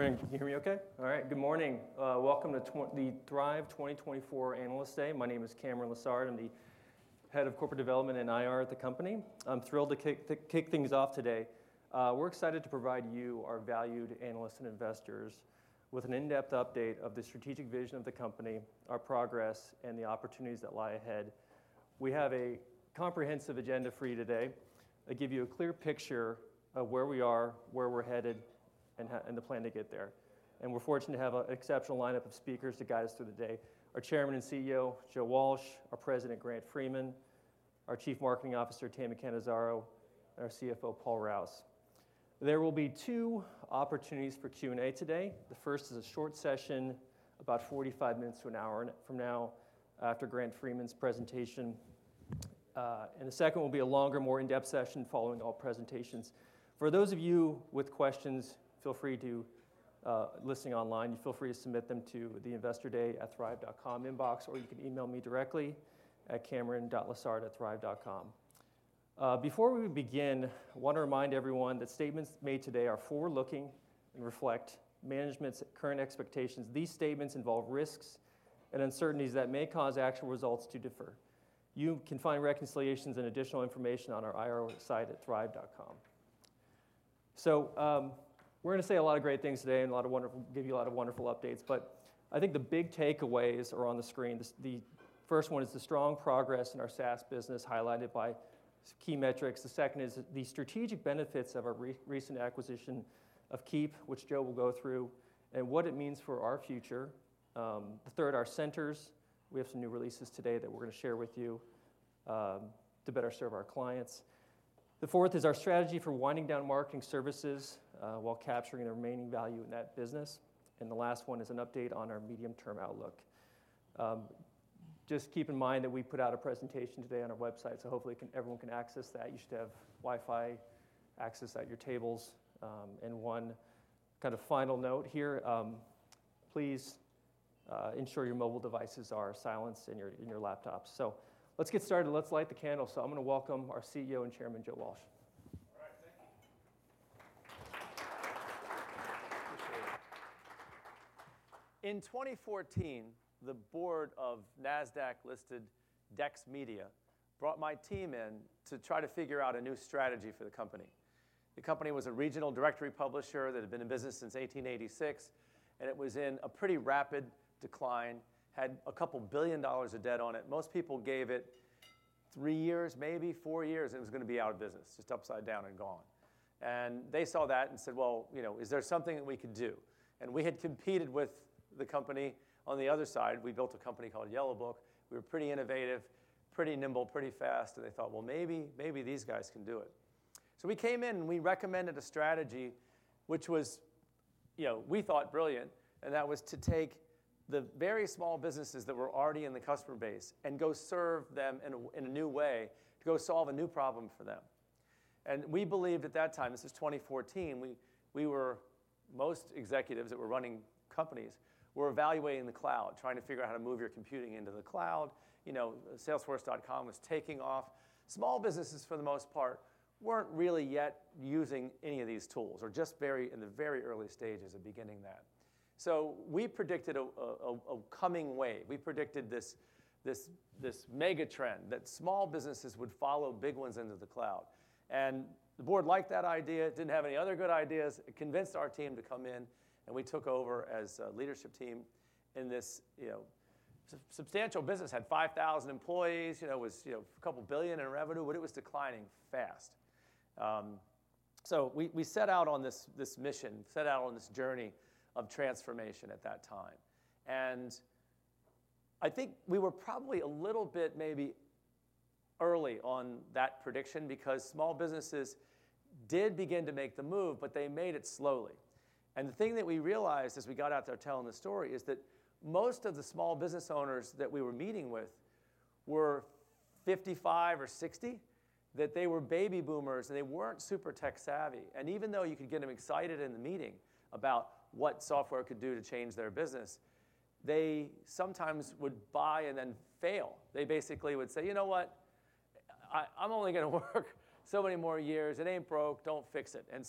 Everyone, can you hear me okay? All right, good morning. Welcome to Thryv 2024 Analyst Day. My name is Cameron Lessard. I'm the head of corporate development and IR at the company. I'm thrilled to kick things off today. We're excited to provide you, our valued analysts and investors, with an in-depth update of the strategic vision of the company, our progress, and the opportunities that lie ahead. We have a comprehensive agenda for you today that gives you a clear picture of where we are, where we're headed, and how and the plan to get there, and we're fortunate to have an exceptional lineup of speakers to guide us through the day: our Chairman and CEO, Joe Walsh; our President, Grant Freeman; our Chief Marketing Officer, Tami Cannizzaro; and our CFO, Paul Rouse. There will be two opportunities for Q&A today. The first is a short session, about 45 minutes to an hour from now, after Grant Freeman's presentation. And the second will be a longer, more in-depth session following all presentations. For those of you with questions, feel free to, listening online, you feel free to submit them to the investorday@thryv.com inbox, or you can email me directly at cameron.lessard@thryv.com. Before we begin, I wanna remind everyone that statements made today are forward-looking and reflect management's current expectations. These statements involve risks and uncertainties that may cause actual results to differ. You can find reconciliations and additional information on our IR site at thryv.com. We're gonna say a lot of great things today and a lot of wonderful, give you a lot of wonderful updates. But I think the big takeaways are on the screen. The first one is the strong progress in our SaaS business highlighted by key metrics. The second is the strategic benefits of our recent acquisition of Keap, which Joe will go through, and what it means for our future. The third, our centers. We have some new releases today that we're gonna share with you, to better serve our clients. The fourth is our strategy for winding down Marketing Services, while capturing the remaining value in that business. And the last one is an update on our medium-term outlook. Just keep in mind that we put out a presentation today on our website, so hopefully everyone can access that. You should have Wi-Fi access at your tables. And one kind of final note here, please, ensure your mobile devices are silenced in your laptops. So let's get started. Let's light the candle. So I'm gonna welcome our CEO and Chairman, Joe Walsh. All right, thank you. Appreciate it. In 2014, the board of NASDAQ-listed Dex Media brought my team in to try to figure out a new strategy for the company. The company was a regional directory publisher that had been in business since 1886, and it was in a pretty rapid decline, had a couple of billion dollars of debt on it. Most people gave it three years, maybe four years, and it was gonna be out of business, just upside down and gone, and they saw that and said, "Well, you know, is there something that we could do?" and we had competed with the company. On the other side, we built a company called Yellowbook. We were pretty innovative, pretty nimble, pretty fast, and they spoken, "Well, maybe, maybe these guys can do it," so we came in and we recommended a strategy which was, you know, we thought brilliant, and that was to take the very small businesses that were already in the customer base and go serve them in a new way, to go solve a new problem for them, and we believed at that time, this was 2014, we were most executives that were running companies were evaluating the cloud, trying to figure out how to move your computing into the cloud. You know, Salesforce.com was taking off. Small businesses, for the most part, weren't really yet using any of these tools or just very in the very early stages of beginning that, so we predicted a coming wave. We predicted this mega trend that small businesses would follow big ones into the cloud, and the board liked that idea. It didn't have any other good ideas. It convinced our team to come in, and we took over as a leadership team in this, you know, substantial business, had 5,000 employees, you know, was, you know, a couple billion in revenue, but it was declining fast, so we set out on this mission, set out on this journey of transformation at that time, and I think we were probably a little bit maybe early on that prediction because small businesses did begin to make the move, but they made it slowly. The thing that we realized as we got out there telling the story is that most of the small business owners that we were meeting with were 55 or 60, that they were baby boomers and they weren't super tech-savvy. Even though you could get them excited in the meeting about what software could do to change their business, they sometimes would buy and then fail. They basically would say, "You know what? I'm only gonna work so many more years. It ain't broke. Don't fix it." And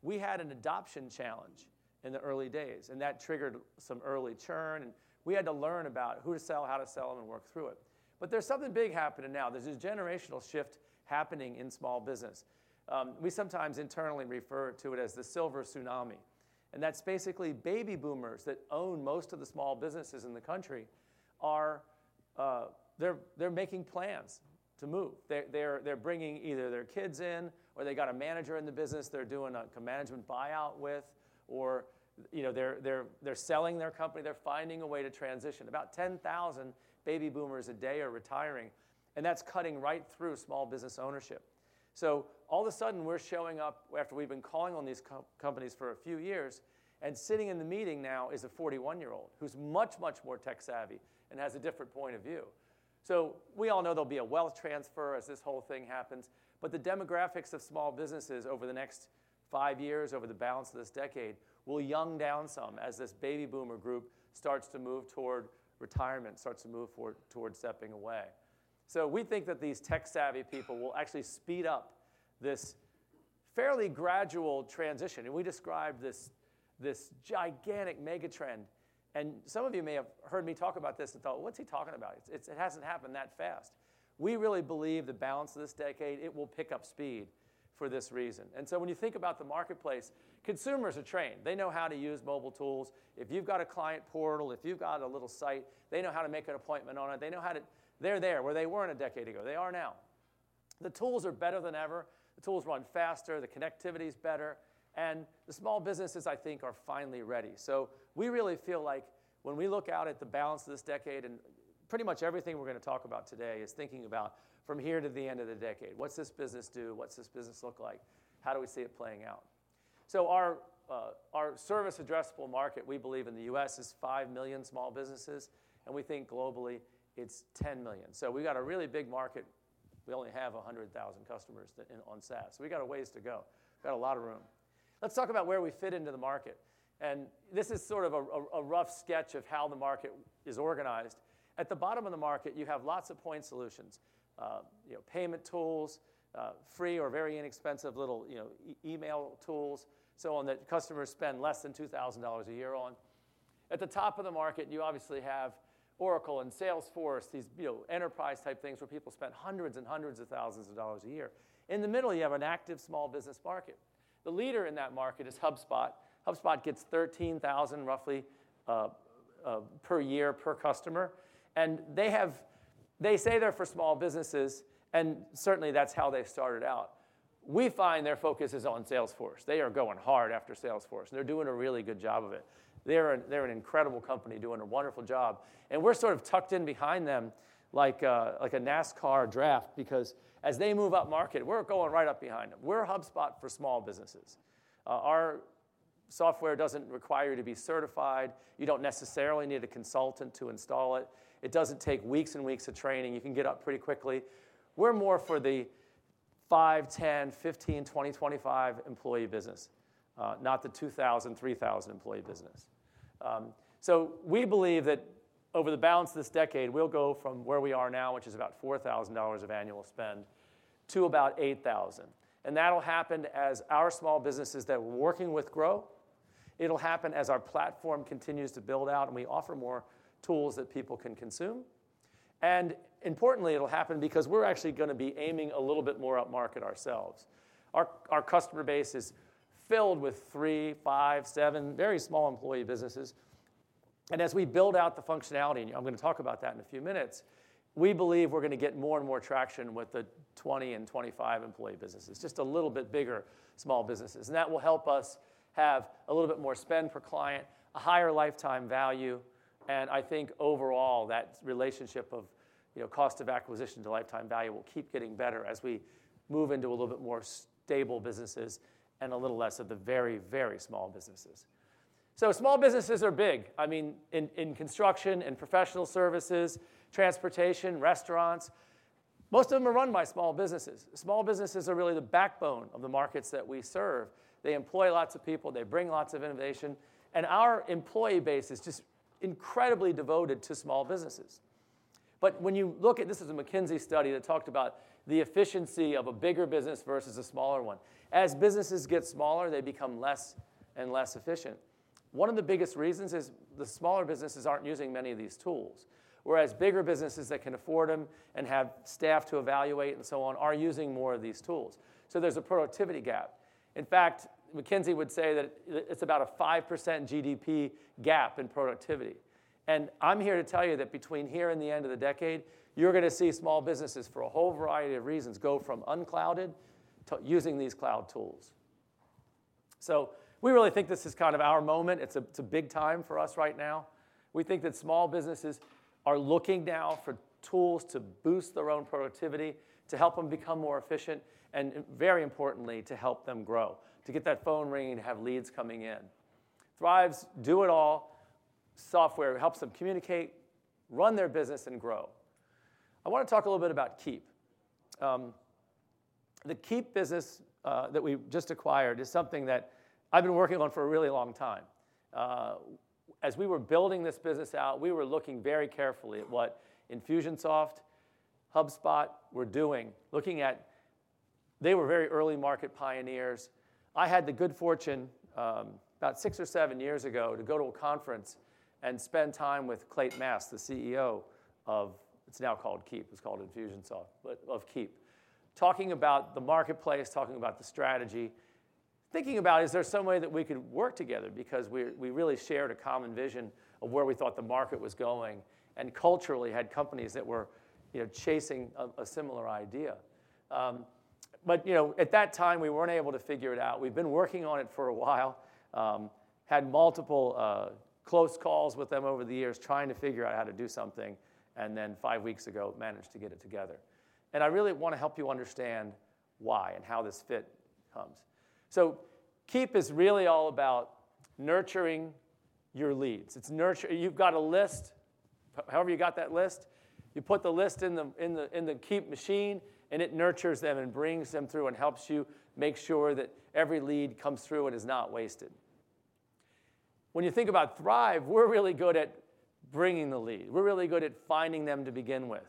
so we had an adoption challenge in the early days, and that triggered some early churn, and we had to learn about who to sell, how to sell, and work through it. There's something big happening now. There's a generational shift happening in small business. We sometimes internally refer to it as the Silver Tsunami, and that's basically baby boomers that own most of the small businesses in the country are making plans to move. They're bringing either their kids in or they got a manager in the business they're doing a management buyout with, or, you know, they're selling their company. They're finding a way to transition. About 10,000 baby boomers a day are retiring, and that's cutting right through small business ownership. So all of a sudden, we're showing up after we've been calling on these companies for a few years, and sitting in the meeting now is a 41-year-old who's much, much more tech-savvy and has a different point of view. So we all know there'll be a wealth transfer as this whole thing happens, but the demographics of small businesses over the next five years, over the balance of this decade, will young down some as this Baby Boomer group starts to move toward retirement, starts to move toward stepping away. So we think that these tech-savvy people will actually speed up this fairly gradual transition. And we described this gigantic mega trend, and some of you may have heard me talk about this and thought, "Well, what's he talking about? It's, it hasn't happened that fast." We really believe the balance of this decade, it will pick up speed for this reason. And so when you think about the marketplace, consumers are trained. They know how to use mobile tools. If you've got a client portal, if you've got a little site, they know how to make an appointment on it. They know how to. They're there where they weren't a decade ago. They are now. The tools are better than ever. The tools run faster. The connectivity's better, and the small businesses, I think, are finally ready. So we really feel like when we look out at the balance of this decade, and pretty much everything we're gonna talk about today is thinking about from here to the end of the decade, what's this business do? What's this business look like? How do we see it playing out? So our, our Service Addressable Market, we believe in the U.S., is 5 million small businesses, and we think globally it's 10 million. So we've got a really big market. We only have 100,000 customers that in on SaaS. So we've got a ways to go. We've got a lot of room. Let's talk about where we fit into the market. And this is sort of a rough sketch of how the market is organized. At the bottom of the market, you have lots of point solutions, you know, payment tools, free or very inexpensive little, you know, email tools, so on that customers spend less than $2,000 a year on. At the top of the market, you obviously have Oracle and Salesforce, these, you know, enterprise-type things where people spend hundreds and hundreds of thousands of dollars a year. In the middle, you have an active small business market. The leader in that market is HubSpot. HubSpot gets 13,000 roughly, per year per customer, and they have they say they're for small businesses, and certainly that's how they started out. We find their focus is on Salesforce. They are going hard after Salesforce, and they're doing a really good job of it. They're an incredible company doing a wonderful job, and we're sort of tucked in behind them like, like a NASCAR draft because as they move up market, we're going right up behind them. We're HubSpot for small businesses. Our software doesn't require you to be certified. You don't necessarily need a consultant to install it. It doesn't take weeks and weeks of training. You can get up pretty quickly. We're more for the 5, 10, 15, 20, 25 employee business, not the 2,000, 3,000 employee business, so we believe that over the balance of this decade, we'll go from where we are now, which is about $4,000 of annual spend, to about $8,000, and that'll happen as our small businesses that we're working with grow. It'll happen as our platform continues to build out and we offer more tools that people can consume, and importantly, it'll happen because we're actually gonna be aiming a little bit more up market ourselves. Our customer base is filled with three, five, seven very small employee businesses. As we build out the functionality, and I'm gonna talk about that in a few minutes, we believe we're gonna get more and more traction with the 20 and 25 employee businesses, just a little bit bigger small businesses. That will help us have a little bit more spend per client, a higher lifetime value. Overall that relationship of, you know, cost of acquisition to lifetime value will keep getting better as we move into a little bit more stable businesses and a little less of the very, very small businesses, so small businesses are big. I mean, in construction and professional services, transportation, restaurants, most of them are run by small businesses. Small businesses are really the backbone of the markets that we serve. They employ lots of people. They bring lots of innovation. And our employee base is just incredibly devoted to small businesses. But when you look at this, it is a McKinsey study that talked about the efficiency of a bigger business versus a smaller one. As businesses get smaller, they become less and less efficient. One of the biggest reasons is the smaller businesses aren't using many of these tools, whereas bigger businesses that can afford them and have staff to evaluate and so on are using more of these tools. So there's a productivity gap. In fact, McKinsey would say that it's about a 5% GDP gap in productivity. I'm here to tell you that between here and the end of the decade, you're gonna see small businesses for a whole variety of reasons go from unclouded to using these cloud tools. So we really think this is kind of our moment. It's a big time for us right now. We think that small businesses are looking now for tools to boost their own productivity, to help them become more efficient, and very importantly, to help them grow, to get that phone ringing, to have leads coming in. Thryv's do-it-all software helps them communicate, run their business, and grow. I wanna talk a little bit about Keap. The Keap business that we just acquired is something that I've been working on for a really long time. As we were building this business out, we were looking very carefully at what Infusionsoft, HubSpot were doing, looking at they were very early market pioneers. I had the good fortune, about six or seven years ago, to go to a conference and spend time with Clate Mask, the CEO of it's now called Keap. It's called Infusionsoft, but of Keap, talking about the marketplace, talking about the strategy, thinking about is there some way that we could work together because we, we really shared a common vision of where we thought the market was going and culturally had companies that were, you know, chasing a, a similar idea. But, you know, at that time, we weren't able to figure it out. We've been working on it for a while, had multiple, close calls with them over the years trying to figure out how to do something, and then five weeks ago, managed to get it together. And I really wanna help you understand why and how this fit comes. So Keap is really all about nurturing your leads. It's nurture you've got a list. However you got that list, you put the list in the Keap machine, and it nurtures them and brings them through and helps you make sure that every lead comes through and is not wasted. When you think about Thryv, we're really good at bringing the lead. We're really good at finding them to begin with.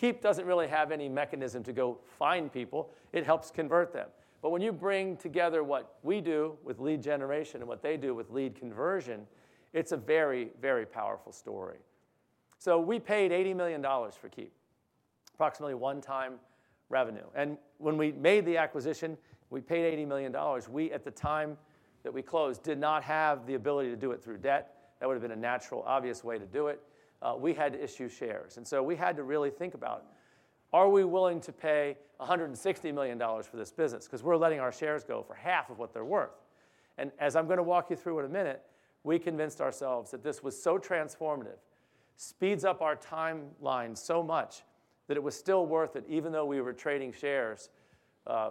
Keap doesn't really have any mechanism to go find people. It helps convert them. But when you bring together what we do with lead generation and what they do with lead conversion, it's a very, very powerful story. So we paid $80 million for Keap, approximately one-time revenue. And when we made the acquisition, we paid $80 million. We, at the time that we closed, did not have the ability to do it through debt. That would've been a natural, obvious way to do it. We had to issue shares. And so we had to really think about, are we willing to pay $160 million for this business 'cause we're letting our shares go for half of what they're worth? As I'm gonna walk you through in a minute, we convinced ourselves that this was so transformative, speeds up our timeline so much that it was still worth it even though we were trading shares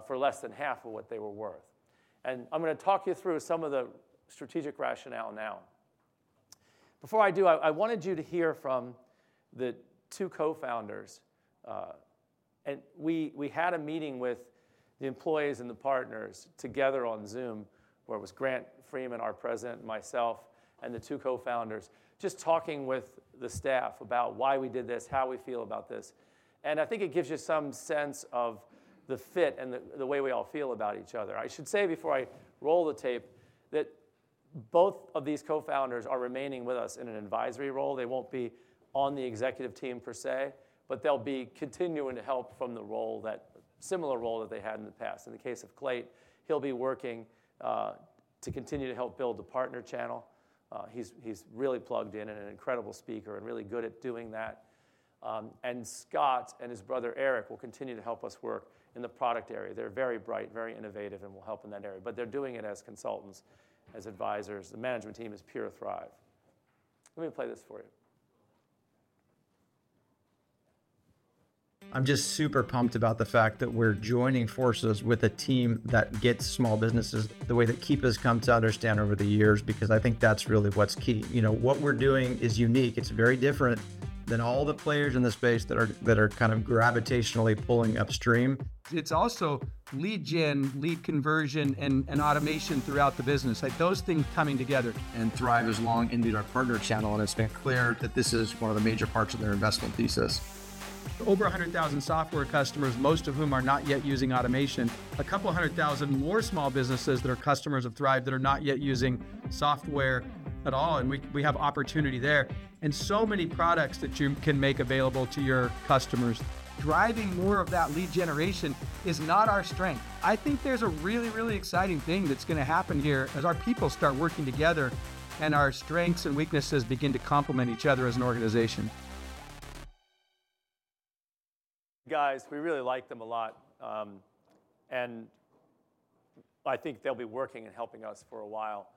for less than half of what they were worth. I'm gonna talk you through some of the strategic rationale now. Before I do, I wanted you to hear from the two co-founders. We had a meeting with the employees and the partners together on Zoom where it was Grant Freeman, our president, myself, and the two co-founders just talking with the staff about why we did this, how we feel about this. I think it gives you some sense of the fit and the way we all feel about each other. I should say before I roll the tape that both of these co-founders are remaining with us in an advisory role. They won't be on the executive team per se, but they'll be continuing to help from the role that they had in the past. In the case of Clate, he'll be working to continue to help build the partner channel. He's really plugged in and an incredible speaker and really good at doing that. And Scott and his brother Eric will continue to help us work in the product area. They're very bright, very innovative, and will help in that area, but they're doing it as consultants, as advisors. The management team is pure Thryv. Let me play this for you. I'm just super pumped about the fact that we're joining forces with a team that gets small businesses the way that Keap has come to understand over the years because I think that's really what's key. You know, what we're doing is unique. It's very different than all the players in the space that are kind of gravitationally pulling upstream. It's also lead gen, lead conversion, and automation throughout the business. Like those things coming together. And Thryv has long invested in our partner channel, and it's been clear that this is one of the major parts of their investment thesis. Over 100,000 software customers, most of whom are not yet using automation. A couple hundred thousand more small businesses that are customers of Thryv that are not yet using software at all. And we have opportunity there and so many products that you can make available to your customers. Driving more of that lead generation is not our strength. I think there's a really, really exciting thing that's gonna happen here as our people start working together and our strengths and weaknesses begin to complement each other as an organization. Guys, we really like them a lot. And I think they'll be working and helping us for a while.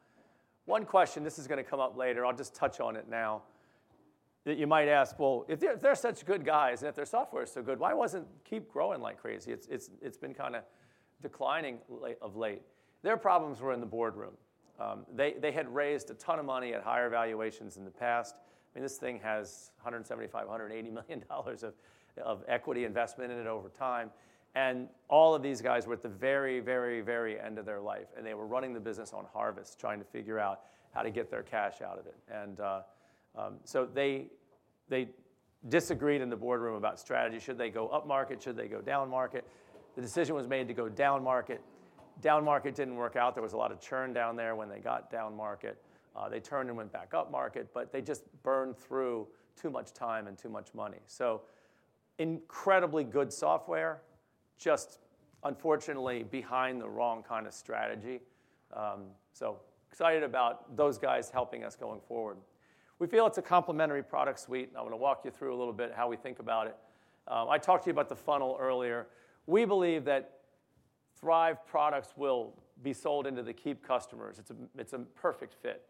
One question, this is gonna come up later. I'll just touch on it now. That you might ask, well, if they're such good guys and if their software's so good, why wasn't Keap growing like crazy? It's been kinda declining late of late. Their problems were in the boardroom. They had raised a ton of money at higher valuations in the past. I mean, this thing has $175 million-$180 million of equity investment in it over time. And all of these guys were at the very, very, very end of their life, and they were running the business on harvest, trying to figure out how to get their cash out of it. And so they disagreed in the boardroom about strategy. Should they go up market? Should they go down market? The decision was made to go down market. Down market didn't work out. There was a lot of churn down there when they got down market. They turned and went back up market, but they just burned through too much time and too much money, so incredibly good software, just unfortunately behind the wrong kind of strategy, so excited about those guys helping us going forward. We feel it's a complementary product suite, and I wanna walk you through a little bit how we think about it. I talked to you about the funnel earlier. We believe that Thryv products will be sold into the Keap customers. It's a perfect fit.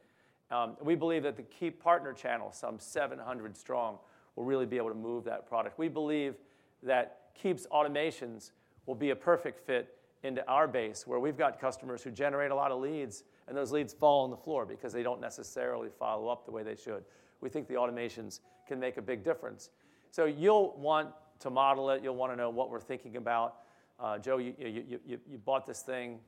We believe that the Keap partner channel, some 700 strong, will really be able to move that product. We believe that Keap's automations will be a perfect fit into our base where we've got customers who generate a lot of leads, and those leads fall on the floor because they don't necessarily follow up the way they should. We think the automations can make a big difference. So you'll want to model it. You'll wanna know what we're thinking about. Joe, you bought this thing.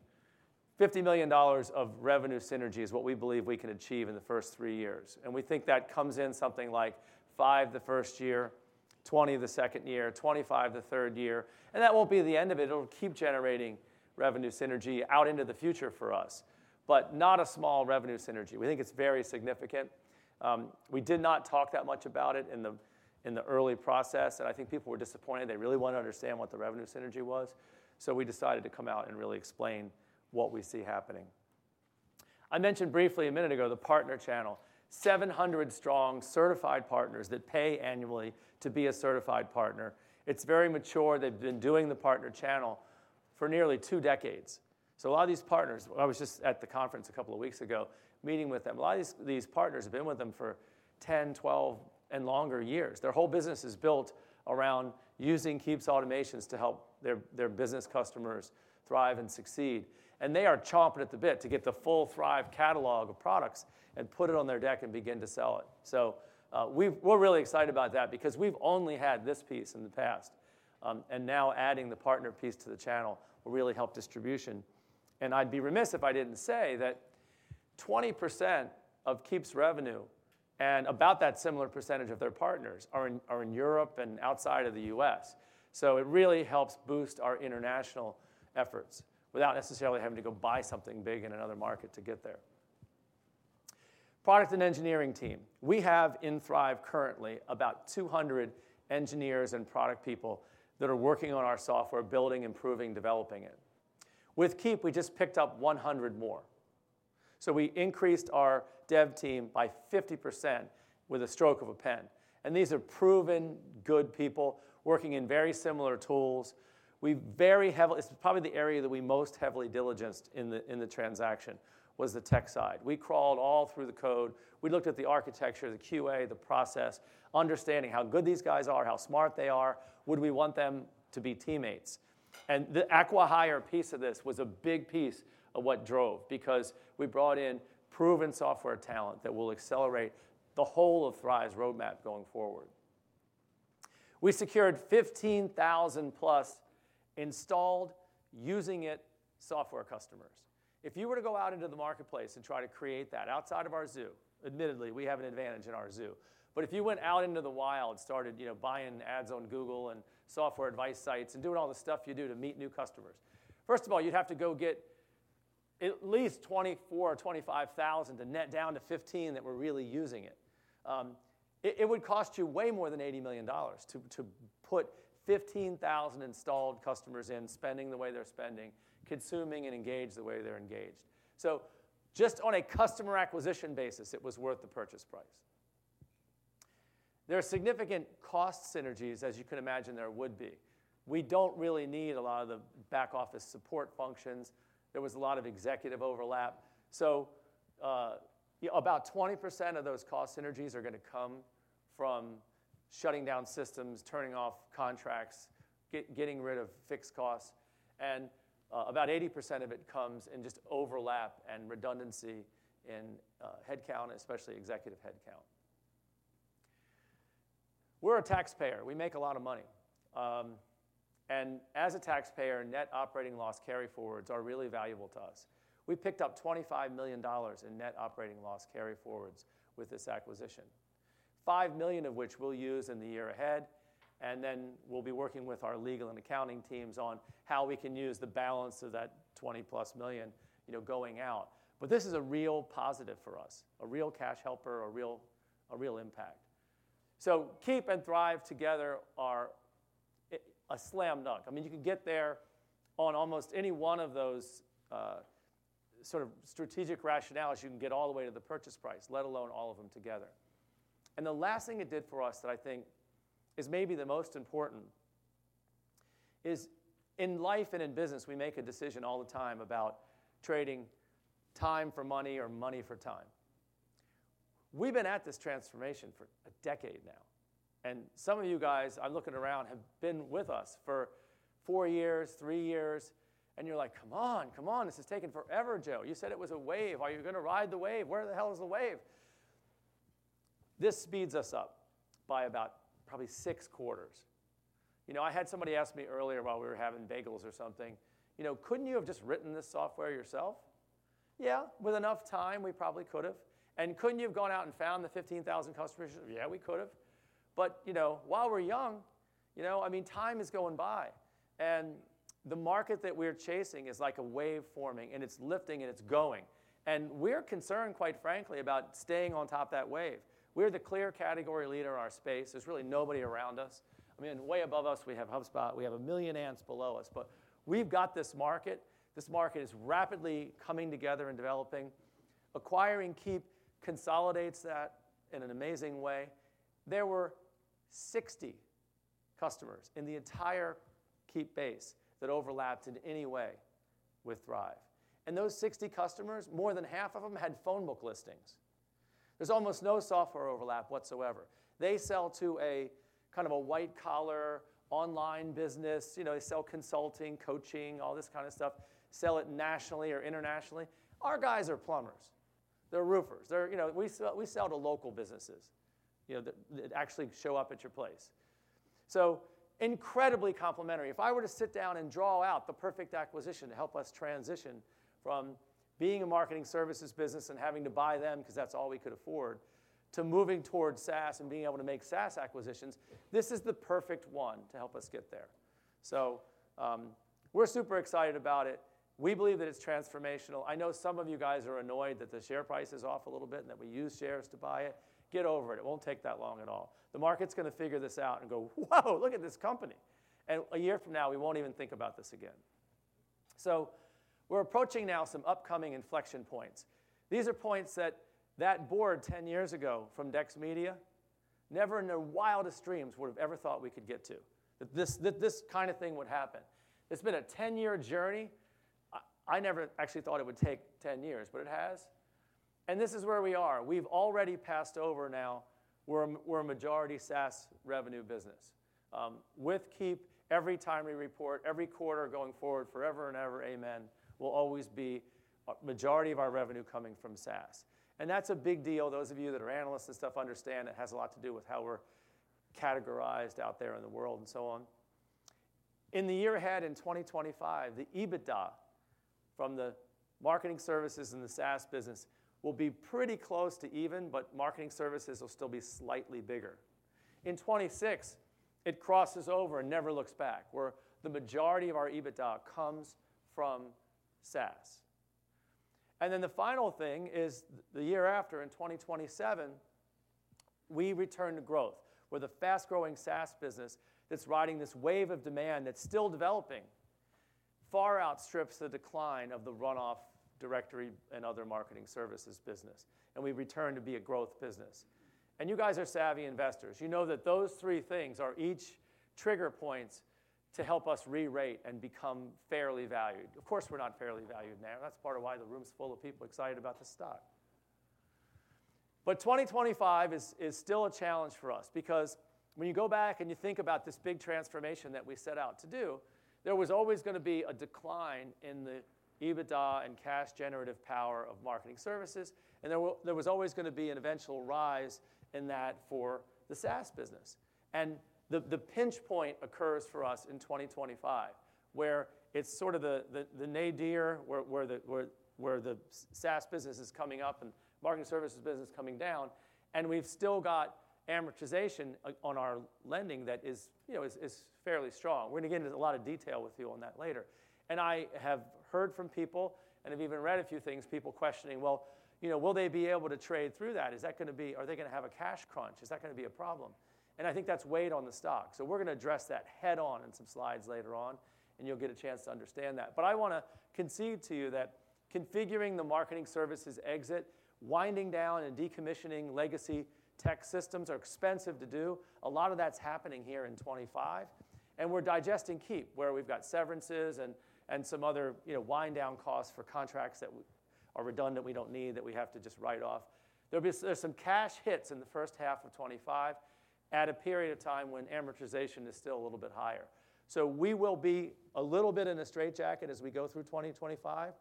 $50 million of revenue synergy is what we believe we can achieve in the first three years, and we think that comes in something like $5 million the first year, $20 million the second year, $25 million the third year, and that won't be the end of it. It'll keep generating revenue synergy out into the future for us, but not a small revenue synergy. We think it's very significant. We did not talk that much about it in the early process, and I think people were disappointed. They really wanna understand what the revenue synergy was, so we decided to come out and really explain what we see happening. I mentioned briefly a minute ago the partner channel, 700 strong certified partners that pay annually to be a certified partner. It's very mature. They've been doing the partner channel for nearly two decades. So a lot of these partners, I was just at the conference a couple of weeks ago, meeting with them. A lot of these partners have been with them for 10 years, 12, and longer years. Their whole business is built around using Keap's automations to help their business customers thrive and succeed. And they are chomping at the bit to get the full Thryv catalog of products and put it on their deck and begin to sell it. So, we're really excited about that because we've only had this piece in the past. And now adding the partner piece to the channel will really help distribution. And I'd be remiss if I didn't say that 20% of Keap's revenue and about that similar percentage of their partners are in Europe and outside of the U.S. So it really helps boost our international efforts without necessarily having to go buy something big in another market to get there. Product and engineering team. We have in Thryv currently about 200 engineers and product people that are working on our software, building, improving, developing it. With Keap, we just picked up 100 more. So we increased our dev team by 50% with a stroke of a pen. And these are proven good people working in very similar tools. We very heavily diligenced it. It's probably the area that we most heavily diligenced in the transaction was the tech side. We crawled all through the code. We looked at the architecture, the QA, the process, understanding how good these guys are, how smart they are. Would we want them to be teammates? And the acquihire piece of this was a big piece of what drove because we brought in proven software talent that will accelerate the whole of Thryv's roadmap going forward. We secured 15,000+ installed Using IT software customers. If you were to go out into the marketplace and try to create that outside of our zoo, admittedly, we have an advantage in our zoo. But if you went out into the wild, started, you know, buying ads on Google and Software Advice sites and doing all the stuff you do to meet new customers, first of all, you'd have to go get at least 24,000 customers or 25,000 customers to net down to 15,000 customers that were really using it. It would cost you way more than $80 million to put 15,000 installed customers in spending the way they're spending, consuming and engaged the way they're engaged. So just on a customer acquisition basis, it was worth the purchase price. There are significant cost synergies, as you can imagine there would be. We don't really need a lot of the back office support functions. There was a lot of executive overlap. So, you know, about 20% of those cost synergies are gonna come from shutting down systems, turning off contracts, getting rid of fixed costs. And about 80% of it comes in just overlap and redundancy in headcount, especially executive headcount. We're a taxpayer. We make a lot of money. As a taxpayer, net operating loss carry forwards are really valuable to us. We picked up $25 million in net operating loss carry forwards with this acquisition, $5 million of which we'll use in the year ahead. And then we'll be working with our legal and accounting teams on how we can use the balance of that $20+ million, you know, going out. But this is a real positive for us, a real cash helper, a real, a real impact. So Keap and Thryv together are a slam dunk. I mean, you can get there on almost any one of those, sort of strategic rationales. You can get all the way to the purchase price, let alone all of them together. And the last thing it did for us that I think is maybe the most important is in life and in business, we make a decision all the time about trading time for money or money for time. We've been at this transformation for a decade now. And some of you guys, I'm looking around, have been with us for four years, three years. And you're like, "Come on, come on. This is taking forever, Joe. You said it was a wave. Are you gonna ride the wave? Where the hell is the wave?" This speeds us up by about probably six quarters. You know, I had somebody ask me earlier while we were having bagels or something, you know, "Couldn't you have just written this software yourself?" Yeah, with enough time, we probably could have. And couldn't you have gone out and found the 15,000 customers? Yeah, we could have. But, you know, while we're young, you know, I mean, time is going by, and the market that we are chasing is like a wave forming, and it's lifting, and it's going. And we are concerned, quite frankly, about staying on top of that wave. We are the clear category leader in our space. There's really nobody around us. I mean, way above us, we have HubSpot. We have a million ants below us, but we've got this market. This market is rapidly coming together and developing. Acquiring Keap consolidates that in an amazing way. There were 60 customers in the entire Keap base that overlapped in any way with Thryv. And those 60 customers, more than half of them had phone book listings. There's almost no software overlap whatsoever. They sell to a kind of a white collar online business. You know, they sell consulting, coaching, all this kind of stuff, sell it nationally or internationally. Our guys are plumbers. They're roofers. They're, you know, we sell, we sell to local businesses, you know, that actually show up at your place. So incredibly complementary. If I were to sit down and draw out the perfect acquisition to help us transition from being a Marketing Services business and having to buy them 'cause that's all we could afford to moving towards SaaS and being able to make SaaS acquisitions, this is the perfect one to help us get there. So, we're super excited about it. We believe that it's transformational. I know some of you guys are annoyed that the share price is off a little bit and that we use shares to buy it. Get over it. It won't take that long at all. The market's gonna figure this out and go, "Whoa, look at this company." And a year from now, we won't even think about this again. So we're approaching now some upcoming inflection points. These are points that board 10 years ago from Dex Media never in their wildest dreams would've ever thought we could get to, that this kind of thing would happen. It's been a 10-year journey. I never actually thought it would take 10 years, but it has, and this is where we are. We've already passed over now. We're a majority SaaS revenue business. With Keap, every time we report, every quarter going forward, forever and ever, amen, will always be a majority of our revenue coming from SaaS, and that's a big deal. Those of you that are analysts and stuff understand it has a lot to do with how we're categorized out there in the world and so on. In the year ahead in 2025, the EBITDA from the Marketing Services and the SaaS business will be pretty close to even, but Marketing Services will still be slightly bigger. In 2026, it crosses over and never looks back where the majority of our EBITDA comes from SaaS. And then the final thing is the year after, in 2027, we return to growth with a fast-growing SaaS business that's riding this wave of demand that's still developing far outstrips the decline of the runoff directory and other Marketing Services business. And we've returned to be a growth business. And you guys are savvy investors. You know that those three things are each trigger points to help us re-rate and become fairly valued. Of course, we're not fairly valued now. That's part of why the room's full of people excited about the stock. But 2025 is still a challenge for us because when you go back and you think about this big transformation that we set out to do, there was always gonna be a decline in the EBITDA and cash generative power of Marketing Services. And there will, there was always gonna be an eventual rise in that for the SaaS business. And the pinch point occurs for us in 2025 where it's sort of the nadir where the SaaS business is coming up and Marketing Services business coming down. And we've still got amortization on our lending that is, you know, fairly strong. We're gonna get into a lot of detail with you on that later. I have heard from people and have even read a few things, people questioning, well, you know, will they be able to trade through that? Is that gonna be, are they gonna have a cash crunch? Is that gonna be a problem? And I think that's weighed on the stock. So we're gonna address that head-on in some slides later on, and you'll get a chance to understand that. But I wanna concede to you that configuring the Marketing Services exit, winding down and decommissioning legacy tech systems are expensive to do. A lot of that's happening here in 2025. And we're digesting Keap where we've got severances and some other, you know, wind down costs for contracts that are redundant we don't need that we have to just write off. There'll be some cash hits in the first half of 2025 at a period of time when amortization is still a little bit higher. So we will be a little bit in a straitjacket as we go through 2025.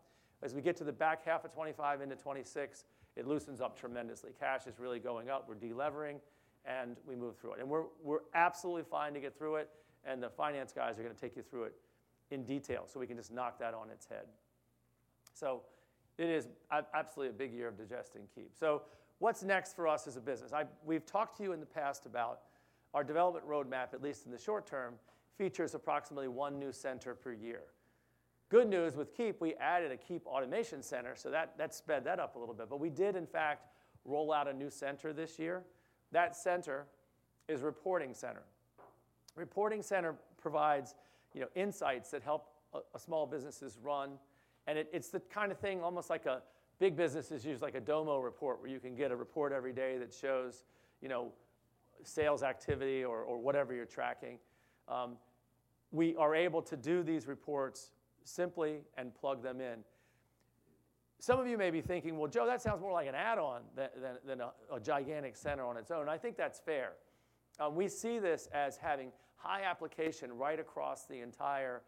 As we get to the back half of 2025 into 2026, it loosens up tremendously. Cash is really going up. We're delevering, and we move through it. And we're absolutely fine to get through it. And the finance guys are gonna take you through it in detail so we can just knock that on its head. So it is absolutely a big year of digesting Keap. So what's next for us as a business? We've talked to you in the past about our development roadmap, at least in the short term, features approximately one new center per year. Good news with Keap, we added a Keap Automation Center. So that sped that up a little bit. But we did, in fact, roll out a new center this year. That center is a Reporting Center. Reporting Center provides, you know, insights that help small businesses run. And it, it's the kind of thing almost like a big businesses use like a Domo report where you can get a report every day that shows, you know, sales activity or whatever you're tracking. We are able to do these reports simply and plug them in. Some of you may be thinking, well, Joe, that sounds more like an add-on than a gigantic center on its own. I think that's fair. We see this as having high application right across the entire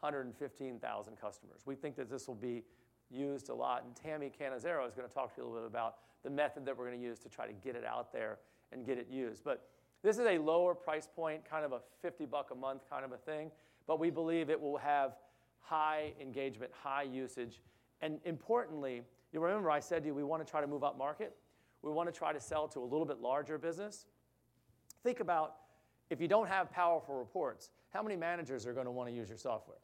115,000 customers. We think that this will be used a lot. Tami Cannizzaro is gonna talk to you a little bit about the method that we're gonna use to try to get it out there and get it used. But this is a lower price point, kind of a $50 a month kind of a thing. But we believe it will have high engagement, high usage. And importantly, you remember I said to you, we wanna try to move up market. We wanna try to sell to a little bit larger business. Think about if you don't have powerful reports, how many managers are gonna wanna use your software?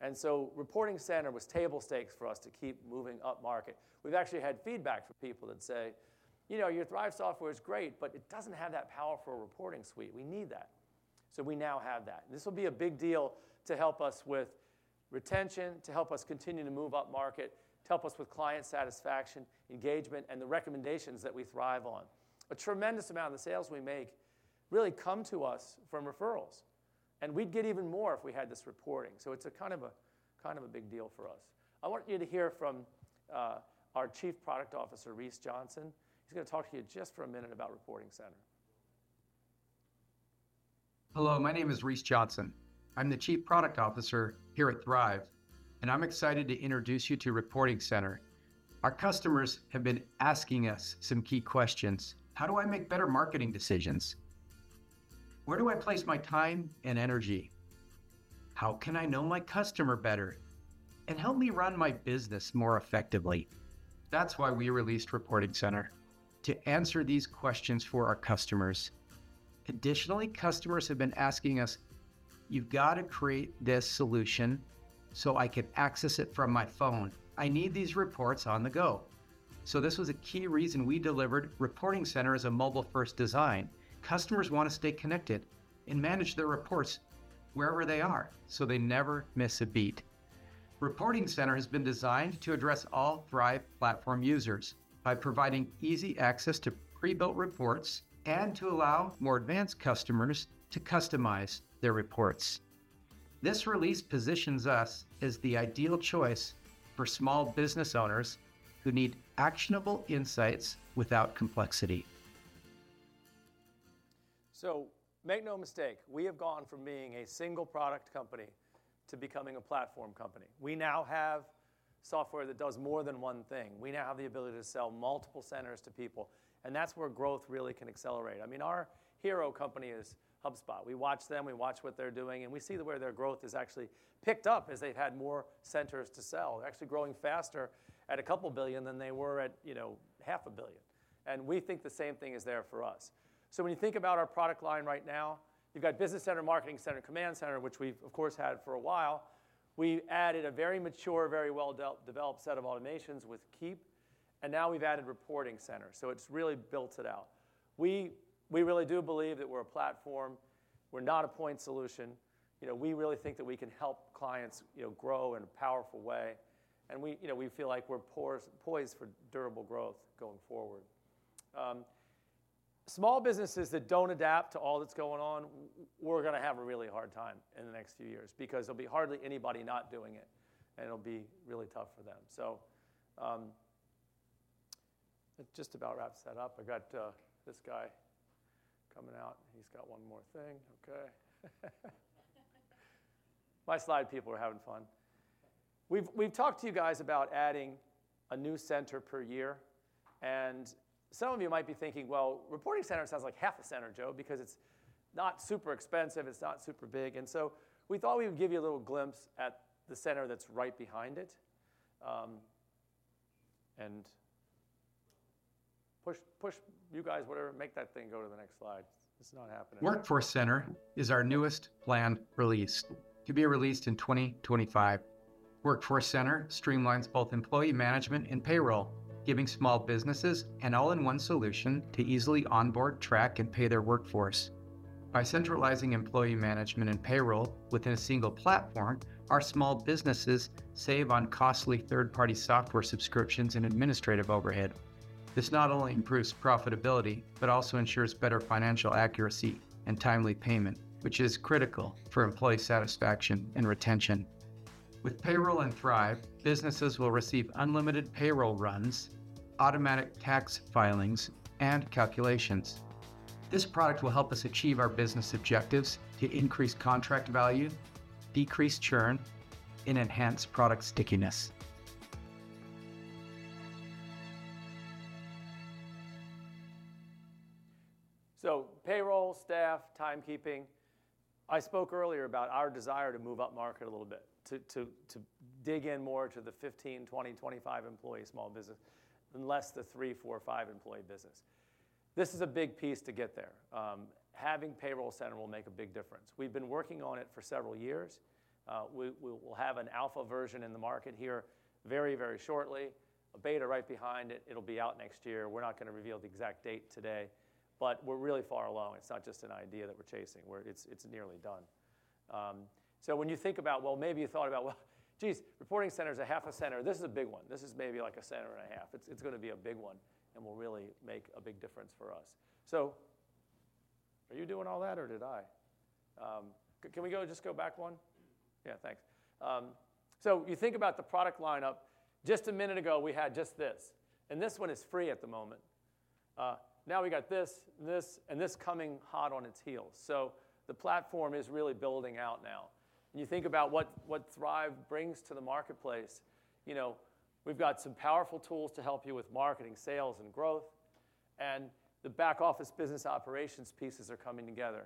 And so Reporting Center was table stakes for us to keep moving up market. We've actually had feedback from people that say, you know, your Thryv software is great, but it doesn't have that powerful reporting suite. We need that. So we now have that. And this will be a big deal to help us with retention, to help us continue to move up market, to help us with client satisfaction, engagement, and the recommendations that we thrive on. A tremendous amount of the sales we make really come to us from referrals. And we'd get even more if we had this reporting. So it's a kind of a, kind of a big deal for us. I want you to hear from our Chief Product Officer, Rees Johnson. He's gonna talk to you just for a minute about Reporting Center. Hello, my name is Rees Johnson. I'm the Chief Product Officer here at Thryv, and I'm excited to introduce you to Reporting Center. Our customers have been asking us some key questions. How do I make better marketing decisions? Where do I place my time and energy? How can I know my customer better and help me run my business more effectively? That's why we released Reporting Center to answer these questions for our customers. Additionally, customers have been asking us, you've gotta create this solution so I can access it from my phone. I need these reports on the go. So this was a key reason we delivered Reporting Center as a mobile-first design. Customers wanna stay connected and manage their reports wherever they are so they never miss a beat. Reporting Center has been designed to address all Thryv platform users by providing easy access to pre-built reports and to allow more advanced customers to customize their reports. This release positions us as the ideal choice for small business owners who need actionable insights without complexity. So make no mistake, we have gone from being a single product company to becoming a platform company. We now have software that does more than one thing. We now have the ability to sell multiple centers to people, and that's where growth really can accelerate. I mean, our hero company is HubSpot. We watch them, we watch what they're doing, and we see where their growth has actually picked up as they've had more centers to sell. They're actually growing faster at $2 billion than they were at, you know, $500 million, and we think the same thing is there for us. So when you think about our product line right now, you've got Business Center, Marketing Center, Command Center, which we've, of course, had for a while. We added a very mature, very well-developed set of automations with Keap, and now we've added Reporting Center. So it's really built it out, and we really do believe that we're a platform. We're not a point solution. You know, we really think that we can help clients, you know, grow in a powerful way. And we, you know, we feel like we're poised for durable growth going forward. Small businesses that don't adapt to all that's going on, we're gonna have a really hard time in the next few years because there'll be hardly anybody not doing it, and it'll be really tough for them. So, that just about wraps that up. I got this guy coming out. He's got one more thing. Okay. My slide people are having fun. We've talked to you guys about adding a new center per year. And some of you might be thinking, well, Reporting Center sounds like half a center, Joe, because it's not super expensive. It's not super big. We thought we would give you a little glimpse at the center that's right behind it, and push, push you guys, whatever, make that thing go to the next slide. It's not happening. Workforce Center is our newest planned release, to be released in 2025. Workforce Center streamlines both employee management and payroll, giving small businesses an all-in-one solution to easily onboard, track, and pay their workforce. By centralizing employee management and payroll within a single platform, our small businesses save on costly third-party software subscriptions and administrative overhead. This not only improves profitability, but also ensures better financial accuracy and timely payment, which is critical for employee satisfaction and retention. With payroll and Thryv, businesses will receive unlimited payroll runs, automatic tax filings, and calculations. This product will help us achieve our business objectives to increase contract value, decrease churn, and enhance product stickiness. Payroll, staff, timekeeping. I spoke earlier about our desire to move up market a little bit to dig in more to the 15, 20, 25 employee small business than the three, four, five employee business. This is a big piece to get there. Having Payroll Center will make a big difference. We've been working on it for several years. We will have an alpha version in the market here very, very shortly, a beta right behind it. It'll be out next year. We're not gonna reveal the exact date today, but we're really far along. It's not just an idea that we're chasing. We're. It's nearly done. When you think about, well, maybe you thought about, well, geez, Reporting Center's a half a center. This is a big one. This is maybe like a center and a half. It's gonna be a big one and will really make a big difference for us. So are you doing all that or did I? Can we just go back one? Yeah, thanks. So you think about the product lineup. Just a minute ago, we had just this, and this one is free at the moment. Now we got this, this, and this coming hot on its heels. So the platform is really building out now. And you think about what Thryv brings to the marketplace. You know, we've got some powerful tools to help you with marketing, sales, and growth. And the back office business operations pieces are coming together.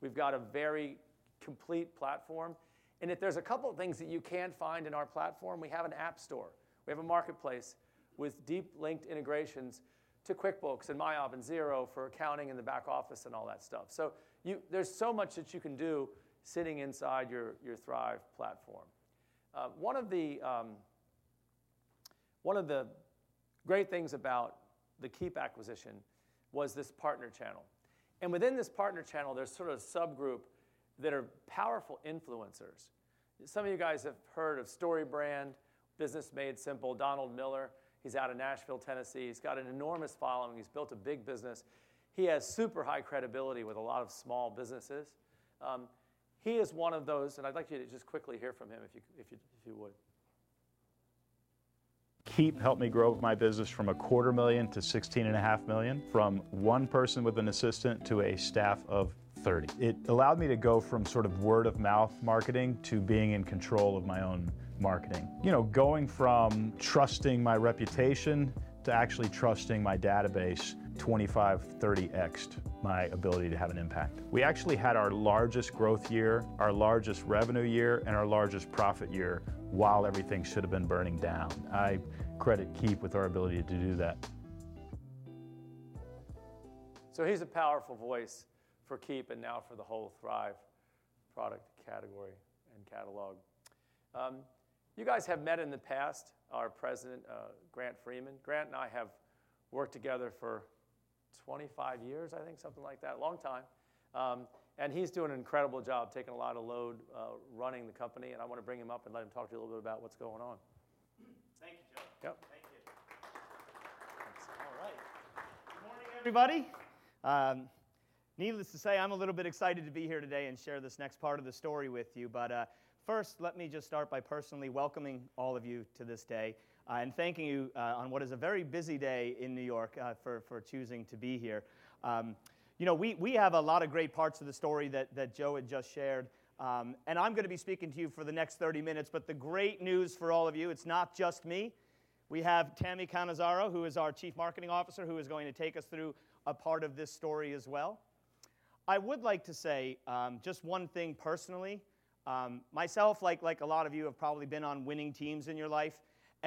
We've got a very complete platform. And if there's a couple of things that you can find in our platform, we have an app store. We have a marketplace with deep linked integrations to QuickBooks and MYOB and Xero for accounting and the back office and all that stuff. So you, there's so much that you can do sitting inside your, your Thryv platform. One of the, one of the great things about the Keap acquisition was this partner channel. And within this partner channel, there's sort of subgroup that are powerful influencers. Some of you guys have heard of StoryBrand, Business Made Simple, Donald Miller. He's out of Nashville, Tennessee. He's got an enormous following. He's built a big business. He has super high credibility with a lot of small businesses. He is one of those, and I'd like you to just quickly hear from him if you, if you, if you would. Keap helped me grow my business from $250,000 to $16.5 million, from one person with an assistant to a staff of 30. It allowed me to go from sort of word-of-mouth marketing to being in control of my own marketing. You know, going from trusting my reputation to actually trusting my database 25x'd, 30x'd my ability to have an impact. We actually had our largest growth year, our largest revenue year, and our largest profit year while everything should have been burning down. I credit Keap with our ability to do that. So he's a powerful voice for Keap and now for the whole Thryv product category and catalog. You guys have met in the past, our President, Grant Freeman. Grant and I have worked together for 25 years, I think, something like that, a long time. And he's doing an incredible job, taking a lot of load, running the company. I wanna bring him up and let him talk to you a little bit about what's going on. Thank you, Joe. Yep. Thank you. Thanks. All right. Good morning, everybody. Needless to say, I'm a little bit excited to be here today and share this next part of the story with you. But first, let me just start by personally welcoming all of you to this day and thanking you on what is a very busy day in New York for choosing to be here. You know, we have a lot of great parts of the story that Joe had just shared. And I'm gonna be speaking to you for the next 30 minutes. But the great news for all of you, it's not just me. We have Tami Cannizzaro, who is our Chief Marketing Officer, who is going to take us through a part of this story as well. I would like to say just one thing personally. Myself, like a lot of you have probably been on winning teams in your life.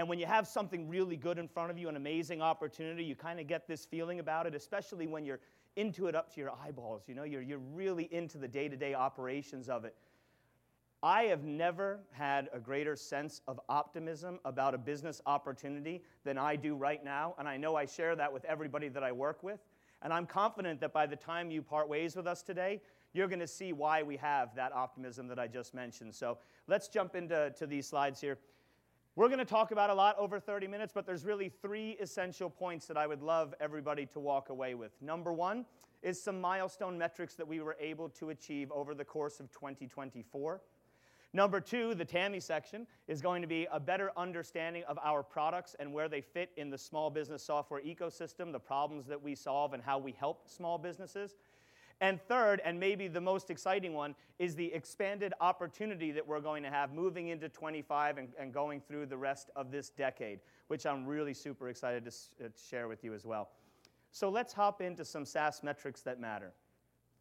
When you have something really good in front of you, an amazing opportunity, you kinda get this feeling about it, especially when you're into it up to your eyeballs. You know, you're really into the day-to-day operations of it. I have never had a greater sense of optimism about a business opportunity than I do right now. I know I share that with everybody that I work with. I'm confident that by the time you part ways with us today, you're gonna see why we have that optimism that I just mentioned. So let's jump into these slides here. We're gonna talk about a lot over 30 minutes, but there's really three essential points that I would love everybody to walk away with. Number one is some milestone metrics that we were able to achieve over the course of 2024. Number two, the Tami section is going to be a better understanding of our products and where they fit in the small business software ecosystem, the problems that we solve, and how we help small businesses. And third, and maybe the most exciting one, is the expanded opportunity that we're going to have moving into 2025 and going through the rest of this decade, which I'm really super excited to share with you as well. So let's hop into some SaaS metrics that matter.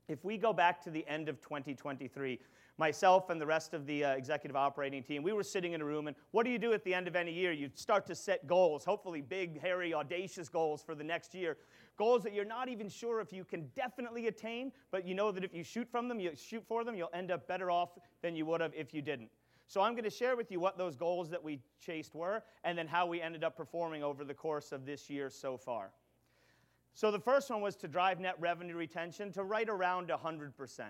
If we go back to the end of 2023, myself and the rest of the executive operating team, we were sitting in a room and what do you do at the end of any year? You start to set goals, hopefully big, hairy, audacious goals for the next year. Goals that you're not even sure if you can definitely attain, but you know that if you shoot from them, you shoot for them, you'll end up better off than you would have if you didn't. So I'm gonna share with you what those goals that we chased were and then how we ended up performing over the course of this year so far. So the first one was to drive net revenue retention to right around 100%.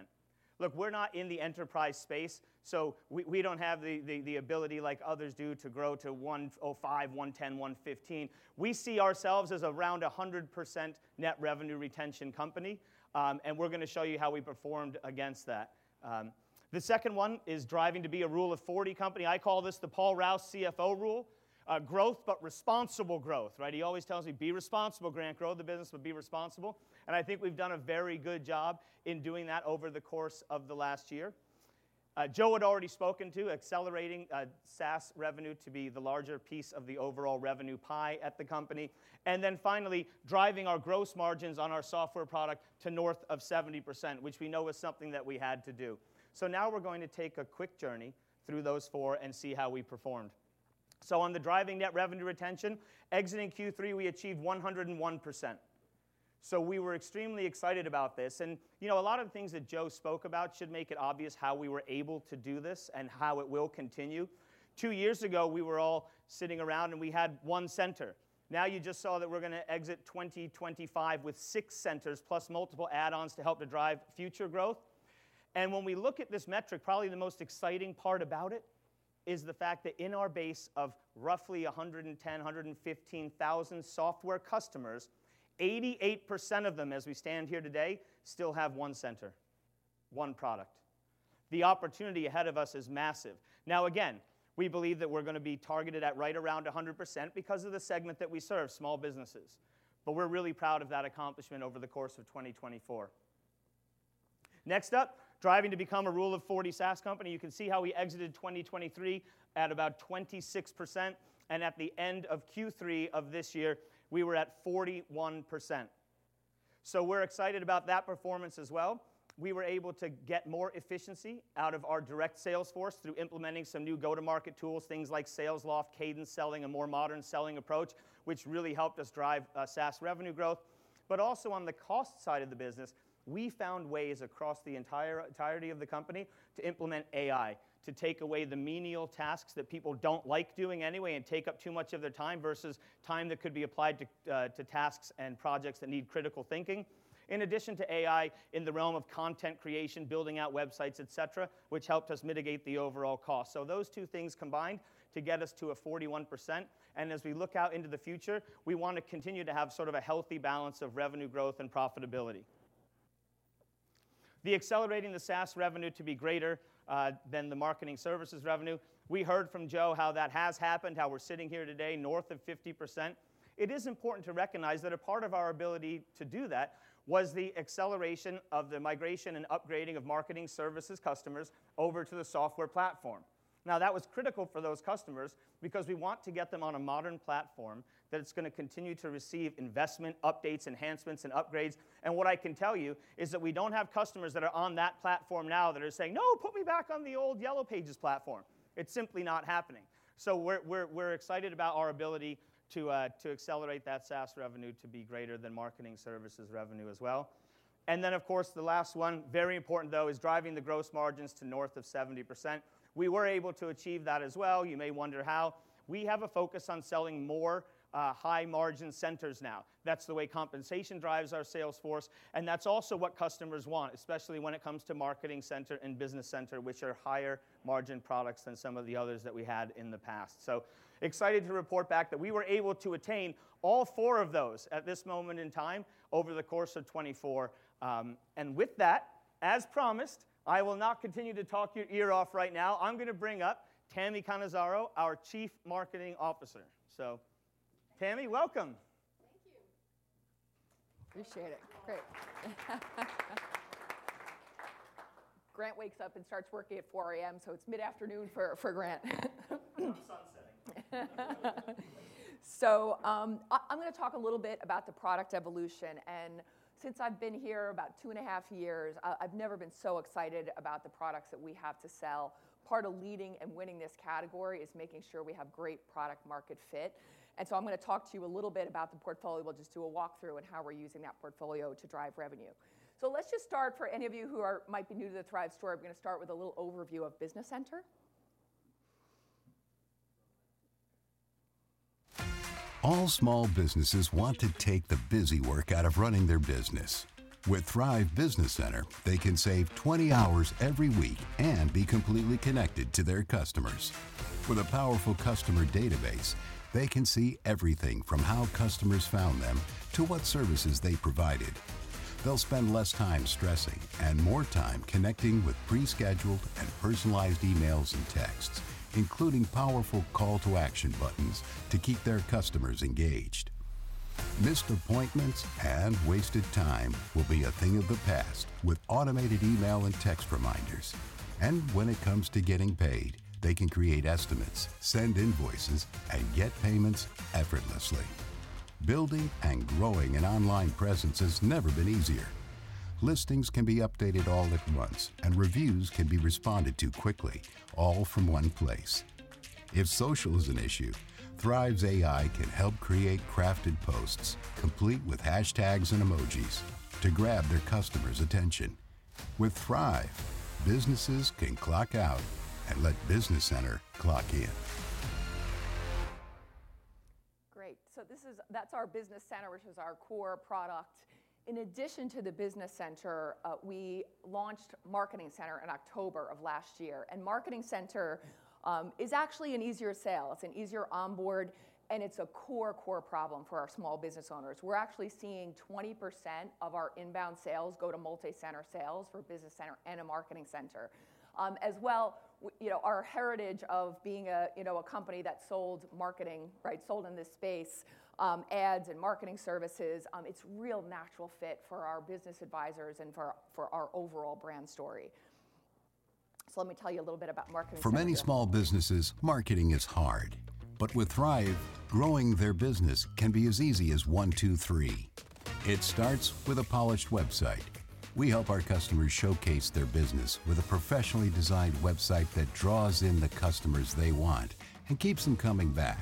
Look, we're not in the enterprise space, so we don't have the ability like others do to grow to 105%, 110%, 115%. We see ourselves as around 100% net revenue retention company. And we're gonna show you how we performed against that. The second one is driving to be a Rule of 40 company. I call this the Paul Rouse CFO rule. Growth, but responsible growth, right? He always tells me, "Be responsible, Grant. Grow the business, but be responsible." And I think we've done a very good job in doing that over the course of the last year. Joe had already spoken to accelerating, SaaS revenue to be the larger piece of the overall revenue pie at the company. And then finally, driving our gross margins on our software product to north of 70%, which we know is something that we had to do. Now we're going to take a quick journey through those four and see how we performed. On the driving net revenue retention, exiting Q3, we achieved 101%. We were extremely excited about this. You know, a lot of the things that Joe spoke about should make it obvious how we were able to do this and how it will continue. Two years ago, we were all sitting around and we had one center. Now you just saw that we're gonna exit 2025 with six centers plus multiple add-ons to help to drive future growth. When we look at this metric, probably the most exciting part about it is the fact that in our base of roughly 110,000 software customers-115,000 software customers, 88% of them, as we stand here today, still have one center, one product. The opportunity ahead of us is massive. Now, again, we believe that we're gonna be targeted at right around 100% because of the segment that we serve, small businesses, but we're really proud of that accomplishment over the course of 2024. Next up, driving to become a Rule of 40 SaaS company. You can see how we exited 2023 at about 26%, and at the end of Q3 of this year, we were at 41%, so we're excited about that performance as well. We were able to get more efficiency out of our direct sales force through implementing some new go-to-market tools, things like Salesloft, Cadence selling, a more modern selling approach, which really helped us drive SaaS revenue growth. But also on the cost side of the business, we found ways across the entirety of the company to implement AI to take away the menial tasks that people don't like doing anyway and take up too much of their time versus time that could be applied to tasks and projects that need critical thinking. In addition to AI in the realm of content creation, building out websites, etc., which helped us mitigate the overall cost. So those two things combined to get us to a 41%. And as we look out into the future, we wanna continue to have sort of a healthy balance of revenue growth and profitability. The accelerating the SaaS revenue to be greater than the Marketing Services revenue. We heard from Joe how that has happened, how we're sitting here today, north of 50%. It is important to recognize that a part of our ability to do that was the acceleration of the migration and upgrading of Marketing Services customers over to the software platform. Now, that was critical for those customers because we want to get them on a modern platform that's gonna continue to receive investment updates, enhancements, and upgrades, and what I can tell you is that we don't have customers that are on that platform now that are saying, "No, put me back on the old Yellow Pages platform." It's simply not happening, so we're excited about our ability to accelerate that SaaS revenue to be greater than Marketing Services revenue as well, and then, of course, the last one, very important though, is driving the gross margins to north of 70%. We were able to achieve that as well. You may wonder how. We have a focus on selling more, high-margin centers now. That's the way compensation drives our sales force. And that's also what customers want, especially when it comes to Marketing Center and Business Center, which are higher margin products than some of the others that we had in the past. So excited to report back that we were able to attain all four of those at this moment in time over the course of 2024. And with that, as promised, I will not continue to talk your ear off right now. I'm gonna bring up Tami Cannizzaro, our Chief Marketing Officer. So Tami, welcome. Thank you. Appreciate it. Great. Grant wakes up and starts working at 4:00 A.M., so it's mid-afternoon for Grant. The sun's setting. So, I'm gonna talk a little bit about the product evolution. Since I've been here about two and a half years, I've never been so excited about the products that we have to sell. Part of leading and winning this category is making sure we have great product-market fit. And so I'm gonna talk to you a little bit about the portfolio. We'll just do a walkthrough and how we're using that portfolio to drive revenue. So let's just start. For any of you who might be new to the Thryv store, I'm gonna start with a little overview of Business Center. All small businesses want to take the busy work out of running their business. With Thryv Business Center, they can save 20 hours every week and be completely connected to their customers. With a powerful customer database, they can see everything from how customers found them to what services they provided. They'll spend less time stressing and more time connecting with pre-scheduled and personalized emails and texts, including powerful call-to-action buttons to keep their customers engaged. Missed appointments and wasted time will be a thing of the past with automated email and text reminders. And when it comes to getting paid, they can create estimates, send invoices, and get payments effortlessly. Building and growing an online presence has never been easier. Listings can be updated all at once, and reviews can be responded to quickly, all from one place. If social is an issue, Thryv's AI can help create crafted posts complete with hashtags and emojis to grab their customers' attention. With Thryv, businesses can clock out and let Business Center clock in. Great. So this is, that's our Business Center, which is our core product. In addition to the Business Center, we launched Marketing Center in October of last year. Marketing Center is actually an easier sale. It's an easier onboard, and it's a core, core problem for our small business owners. We're actually seeing 20% of our inbound sales go to multi-center sales for Business Center and a Marketing Center as well, you know, our heritage of being a, you know, a company that sold marketing, right? Sold in this space, ads and Marketing Services. It's a real natural fit for our business advisors and for our, for our overall brand story. So let me tell you a little bit about Marketing Center. For many small businesses, marketing is hard. But with Thryv, growing their business can be as easy as one, two, three. It starts with a polished website. We help our customers showcase their business with a professionally designed website that draws in the customers they want and keeps them coming back.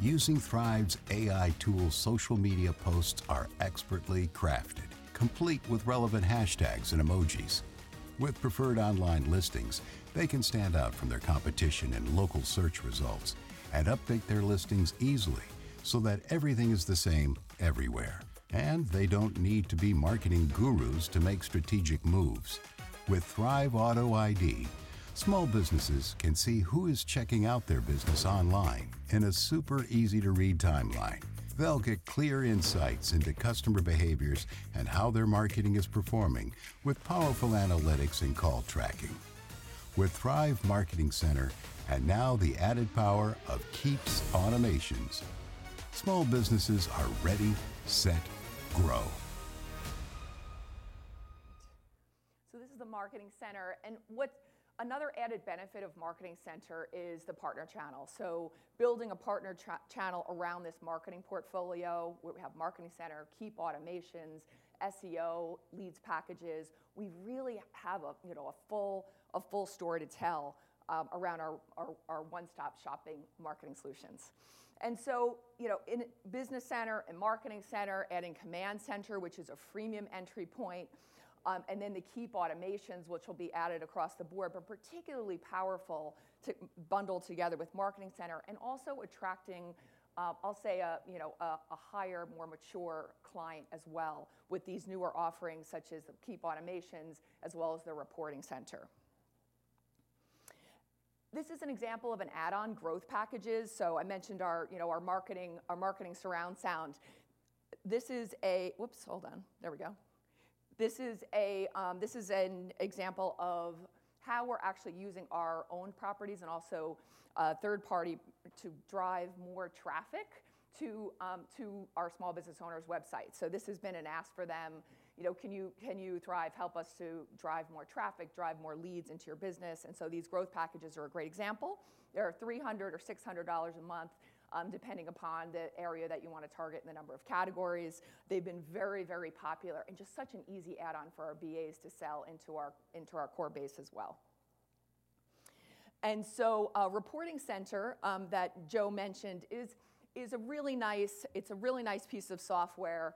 Using Thryv's AI tools, social media posts are expertly crafted, complete with relevant hashtags and emojis. With preferred online listings, they can stand out from their competition in local search results and update their listings easily so that everything is the same everywhere, and they don't need to be marketing gurus to make strategic moves. With Thryv Auto-ID, small businesses can see who is checking out their business online in a super easy-to-read timeline. They'll get clear insights into customer behaviors and how their marketing is performing with powerful analytics and call tracking. With Thryv Marketing Center and now the added power of Keap Automations, small businesses are ready, set, grow. So this is the Marketing Center, and what's another added benefit of Marketing Center is the partner channel, so building a partner channel around this marketing portfolio where we have Marketing Center, Keap Automations, SEO, Leads packages. We really have a, you know, a full story to tell around our one-stop shopping marketing solutions. And so, you know, in Business Center and Marketing Center, adding Command Center, which is a freemium entry point, and then the Keap Automations, which will be added across the board, but particularly powerful to bundle together with Marketing Center and also attracting, I'll say a, you know, a higher, more mature client as well with these newer offerings such as the Keap Automations as well as the Reporting Center. This is an example of an add-on growth packages. So I mentioned our, you know, our marketing surround sound. This is a, whoops, hold on. There we go. This is an example of how we're actually using our own properties and also a third party to drive more traffic to our small business owners' websites. So this has been an ask for them, you know, can you Thryv help us to drive more traffic, drive more leads into your business? And so these growth packages are a great example. They're $300 or $600 a month, depending upon the area that you wanna target and the number of categories. They've been very, very popular and just such an easy add-on for our BAs to sell into our core base as well. And so a Reporting Center, that Joe mentioned is a really nice. It's a really nice piece of software.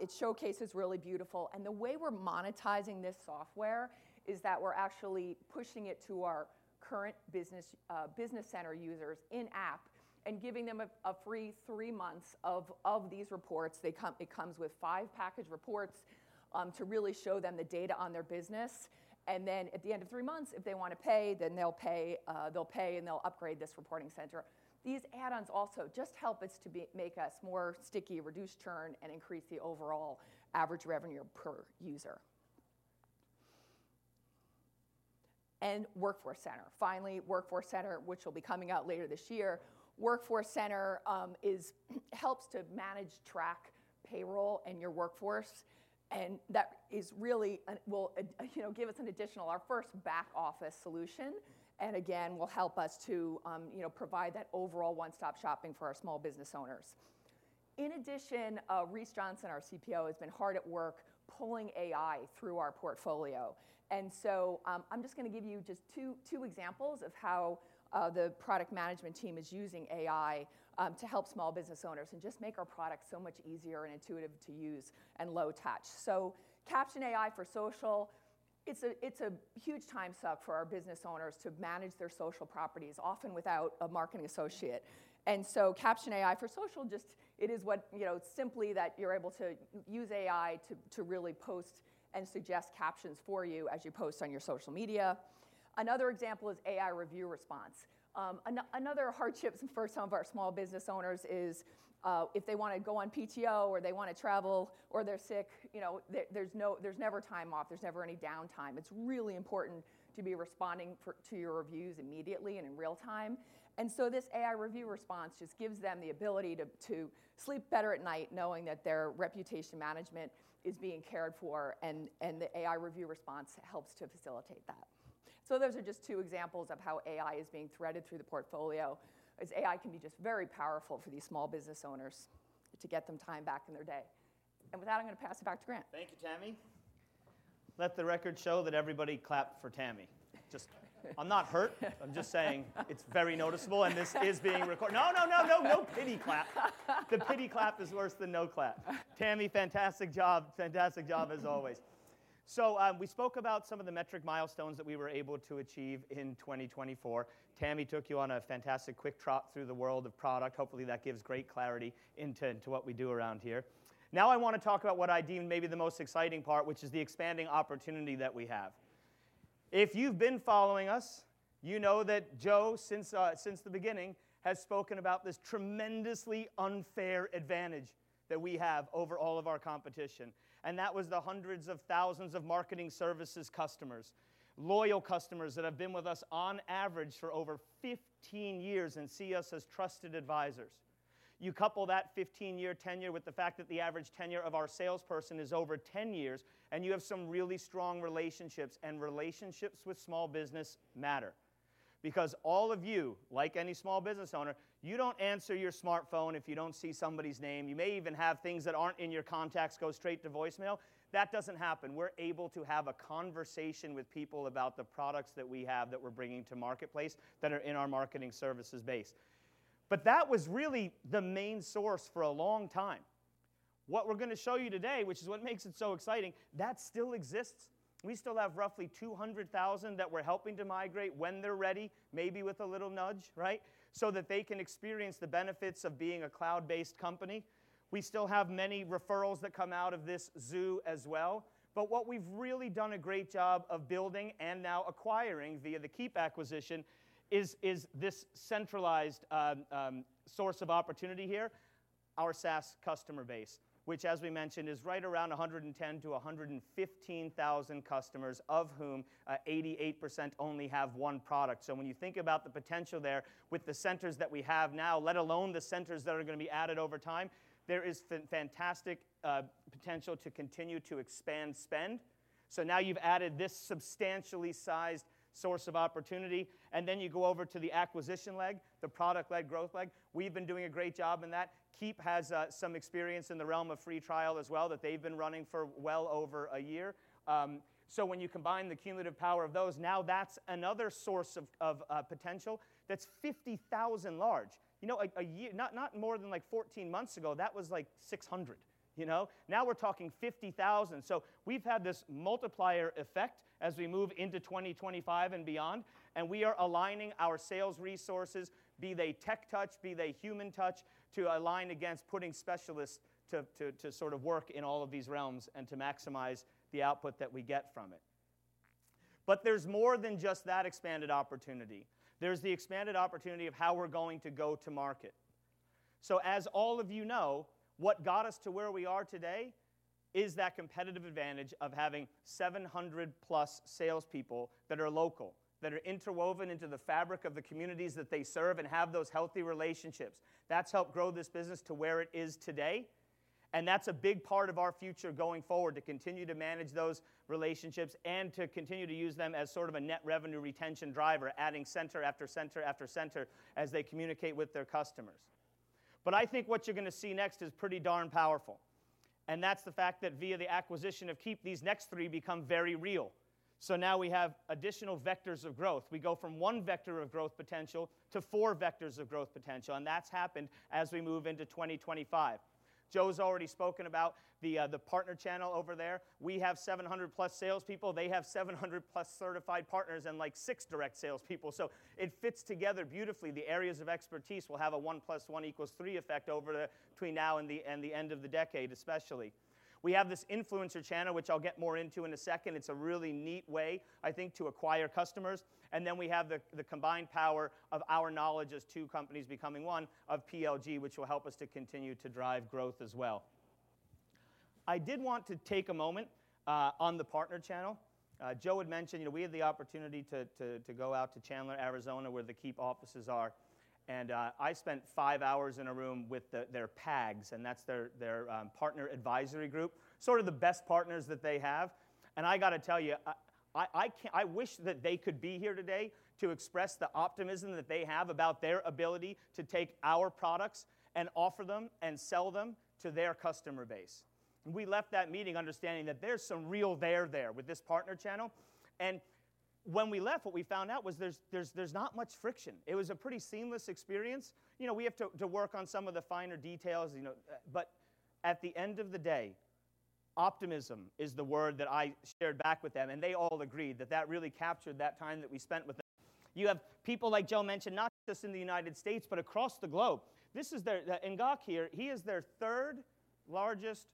It showcases really beautiful. The way we're monetizing this software is that we're actually pushing it to our current business, Business Center users in-app and giving them a free three months of these reports. It comes with five package reports to really show them the data on their business. Then at the end of three months, if they wanna pay, then they'll pay and they'll upgrade this Reporting Center. These add-ons also just help us to make us more sticky, reduce churn, and increase the overall average revenue per user. Workforce Center. Finally, Workforce Center, which will be coming out later this year. Workforce Center helps to manage, track payroll and your workforce. That is really, you know, our first back office solution. Again, will help us to, you know, provide that overall one-stop shopping for our small business owners. In addition, Rees Johnson, our CPO, has been hard at work pulling AI through our portfolio. I'm just gonna give you just two, two examples of how the product management team is using AI to help small business owners and just make our product so much easier and intuitive to use and low touch. CaptionAI for Social, it's a huge time suck for our business owners to manage their social properties often without a marketing associate. CaptionAI for Social just, it is what, you know, simply that you're able to use AI to to really post and suggest captions for you as you post on your social media. Another example is AI Review Response. Another hardship for some of our small business owners is, if they wanna go on PTO or they wanna travel or they're sick, you know, there's no, there's never time off, there's never any downtime. It's really important to be responding to your reviews immediately and in real time. And so this AI review response just gives them the ability to sleep better at night knowing that their reputation management is being cared for. And the AI review response helps to facilitate that. So those are just two examples of how AI is being threaded through the portfolio. AI can be just very powerful for these small business owners to get them time back in their day. And with that, I'm gonna pass it back to Grant. Thank you, Tami. Let the record show that everybody clapped for Tami. Just, I'm not hurt. I'm just saying it's very noticeable and this is being recorded. No, no, no, no, no pity clap. The pity clap is worse than no clap. Tami, fantastic job. Fantastic job as always. We spoke about some of the metric milestones that we were able to achieve in 2024. Tami took you on a fantastic quick trip through the world of product. Hopefully that gives great clarity into what we do around here. Now I wanna talk about what I deem maybe the most exciting part, which is the expanding opportunity that we have. If you've been following us, you know that Joe, since the beginning, has spoken about this tremendously unfair advantage that we have over all of our competition. And that was the hundreds of thousands of Marketing Services customers, loyal customers that have been with us on average for over 15 years and see us as trusted advisors. You couple that 15-year tenure with the fact that the average tenure of our salesperson is over 10 years, and you have some really strong relationships, and relationships with small business matter. Because all of you, like any small business owner, you don't answer your smartphone if you don't see somebody's name. You may even have things that aren't in your contacts go straight to voicemail. That doesn't happen. We're able to have a conversation with people about the products that we have that we're bringing to marketplace that are in our Marketing Services base. But that was really the main source for a long time. What we're gonna show you today, which is what makes it so exciting, that still exists. We still have roughly 200,000 customers that we're helping to migrate when they're ready, maybe with a little nudge, right? So that they can experience the benefits of being a cloud-based company. We still have many referrals that come out of this zoo as well. But what we've really done a great job of building and now acquiring via the Keap acquisition is this centralized source of opportunity here, our SaaS customer base, which, as we mentioned, is right around 110,000 customers-115,000 customers, of whom 88% only have one product. So when you think about the potential there with the centers that we have now, let alone the centers that are gonna be added over time, there is fantastic potential to continue to expand spend. So now you've added this substantially sized source of opportunity, and then you go over to the acquisition leg, the product leg, growth leg. We've been doing a great job in that. Keap has some experience in the realm of free trial as well that they've been running for well over a year. So when you combine the cumulative power of those, now that's another source of potential. That's 50,000 large. You know, a year, not more than like 14 months ago, that was like 600, you know? Now we're talking 50,000. So we've had this multiplier effect as we move into 2025 and beyond, and we are aligning our sales resources, be they tech touch, be they human touch, to align against putting specialists to sort of work in all of these realms and to maximize the output that we get from it. But there's more than just that expanded opportunity. There's the expanded opportunity of how we're going to go to market. So as all of you know, what got us to where we are today is that competitive advantage of having 700+ salespeople that are local, that are interwoven into the fabric of the communities that they serve and have those healthy relationships. That's helped grow this business to where it is today. And that's a big part of our future going forward to continue to manage those relationships and to continue to use them as sort of a net revenue retention driver, adding center after center after center as they communicate with their customers. But I think what you're gonna see next is pretty darn powerful. And that's the fact that via the acquisition of Keap, these next three become very real. So now we have additional vectors of growth. We go from one vector of growth potential to four vectors of growth potential. And that's happened as we move into 2025. Joe's already spoken about the partner channel over there. We have 700+ salespeople. They have 700+ certified partners and like six direct salespeople. So it fits together beautifully. The areas of expertise will have a one plus one equals three effect over the between now and the end of the decade, especially. We have this influencer channel, which I'll get more into in a second. It's a really neat way, I think, to acquire customers. And then we have the combined power of our knowledge as two companies becoming one of PLG, which will help us to continue to drive growth as well. I did want to take a moment on the partner channel. Joe had mentioned, you know, we had the opportunity to go out to Chandler, Arizona, where the Keap offices are. I spent five hours in a room with their PAGs, and that's their Partner Advisory Group, sort of the best partners that they have. I gotta tell you, I can't, I wish that they could be here today to express the optimism that they have about their ability to take our products and offer them and sell them to their customer base. We left that meeting understanding that there's some real there there with this partner channel. When we left, what we found out was there's not much friction. It was a pretty seamless experience. You know, we have to work on some of the finer details, you know, but at the end of the day, optimism is the word that I shared back with them and they all agreed that that really captured that time that we spent with. You have people, like Joe mentioned, not just in the United States, but across the globe. This is their, the Ngoc here, he is their third largest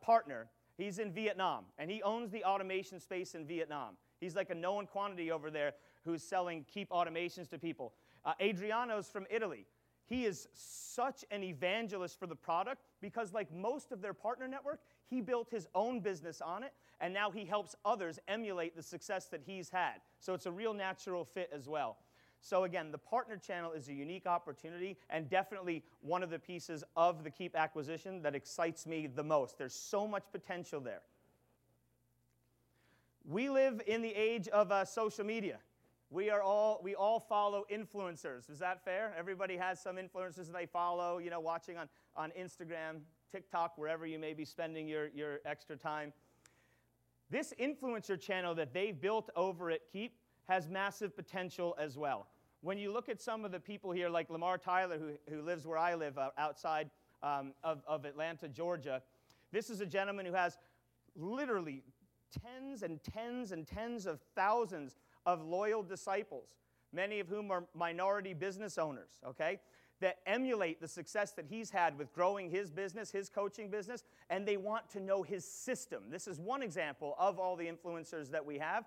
partner. He's in Vietnam, and he owns the automation space in Vietnam. He's like a known quantity over there who's selling Keap automations to people. Adriano's from Italy. He is such an evangelist for the product because, like most of their partner network, he built his own business on it, and now he helps others emulate the success that he's had, so it's a real natural fit as well. So again, the partner channel is a unique opportunity and definitely one of the pieces of the Keap acquisition that excites me the most. There's so much potential there. We live in the age of social media. We are all, we all follow influencers. Is that fair? Everybody has some influencers that they follow, you know, watching on Instagram, TikTok, wherever you may be spending your extra time. This influencer channel that they've built over at Keap has massive potential as well. When you look at some of the people here, like Lamar Tyler, who lives where I live, outside of Atlanta, Georgia, this is a gentleman who has literally tens and tens and tens of thousands of loyal disciples, many of whom are minority business owners, okay, that emulate the success that he's had with growing his business, his coaching business, and they want to know his system. This is one example of all the influencers that we have.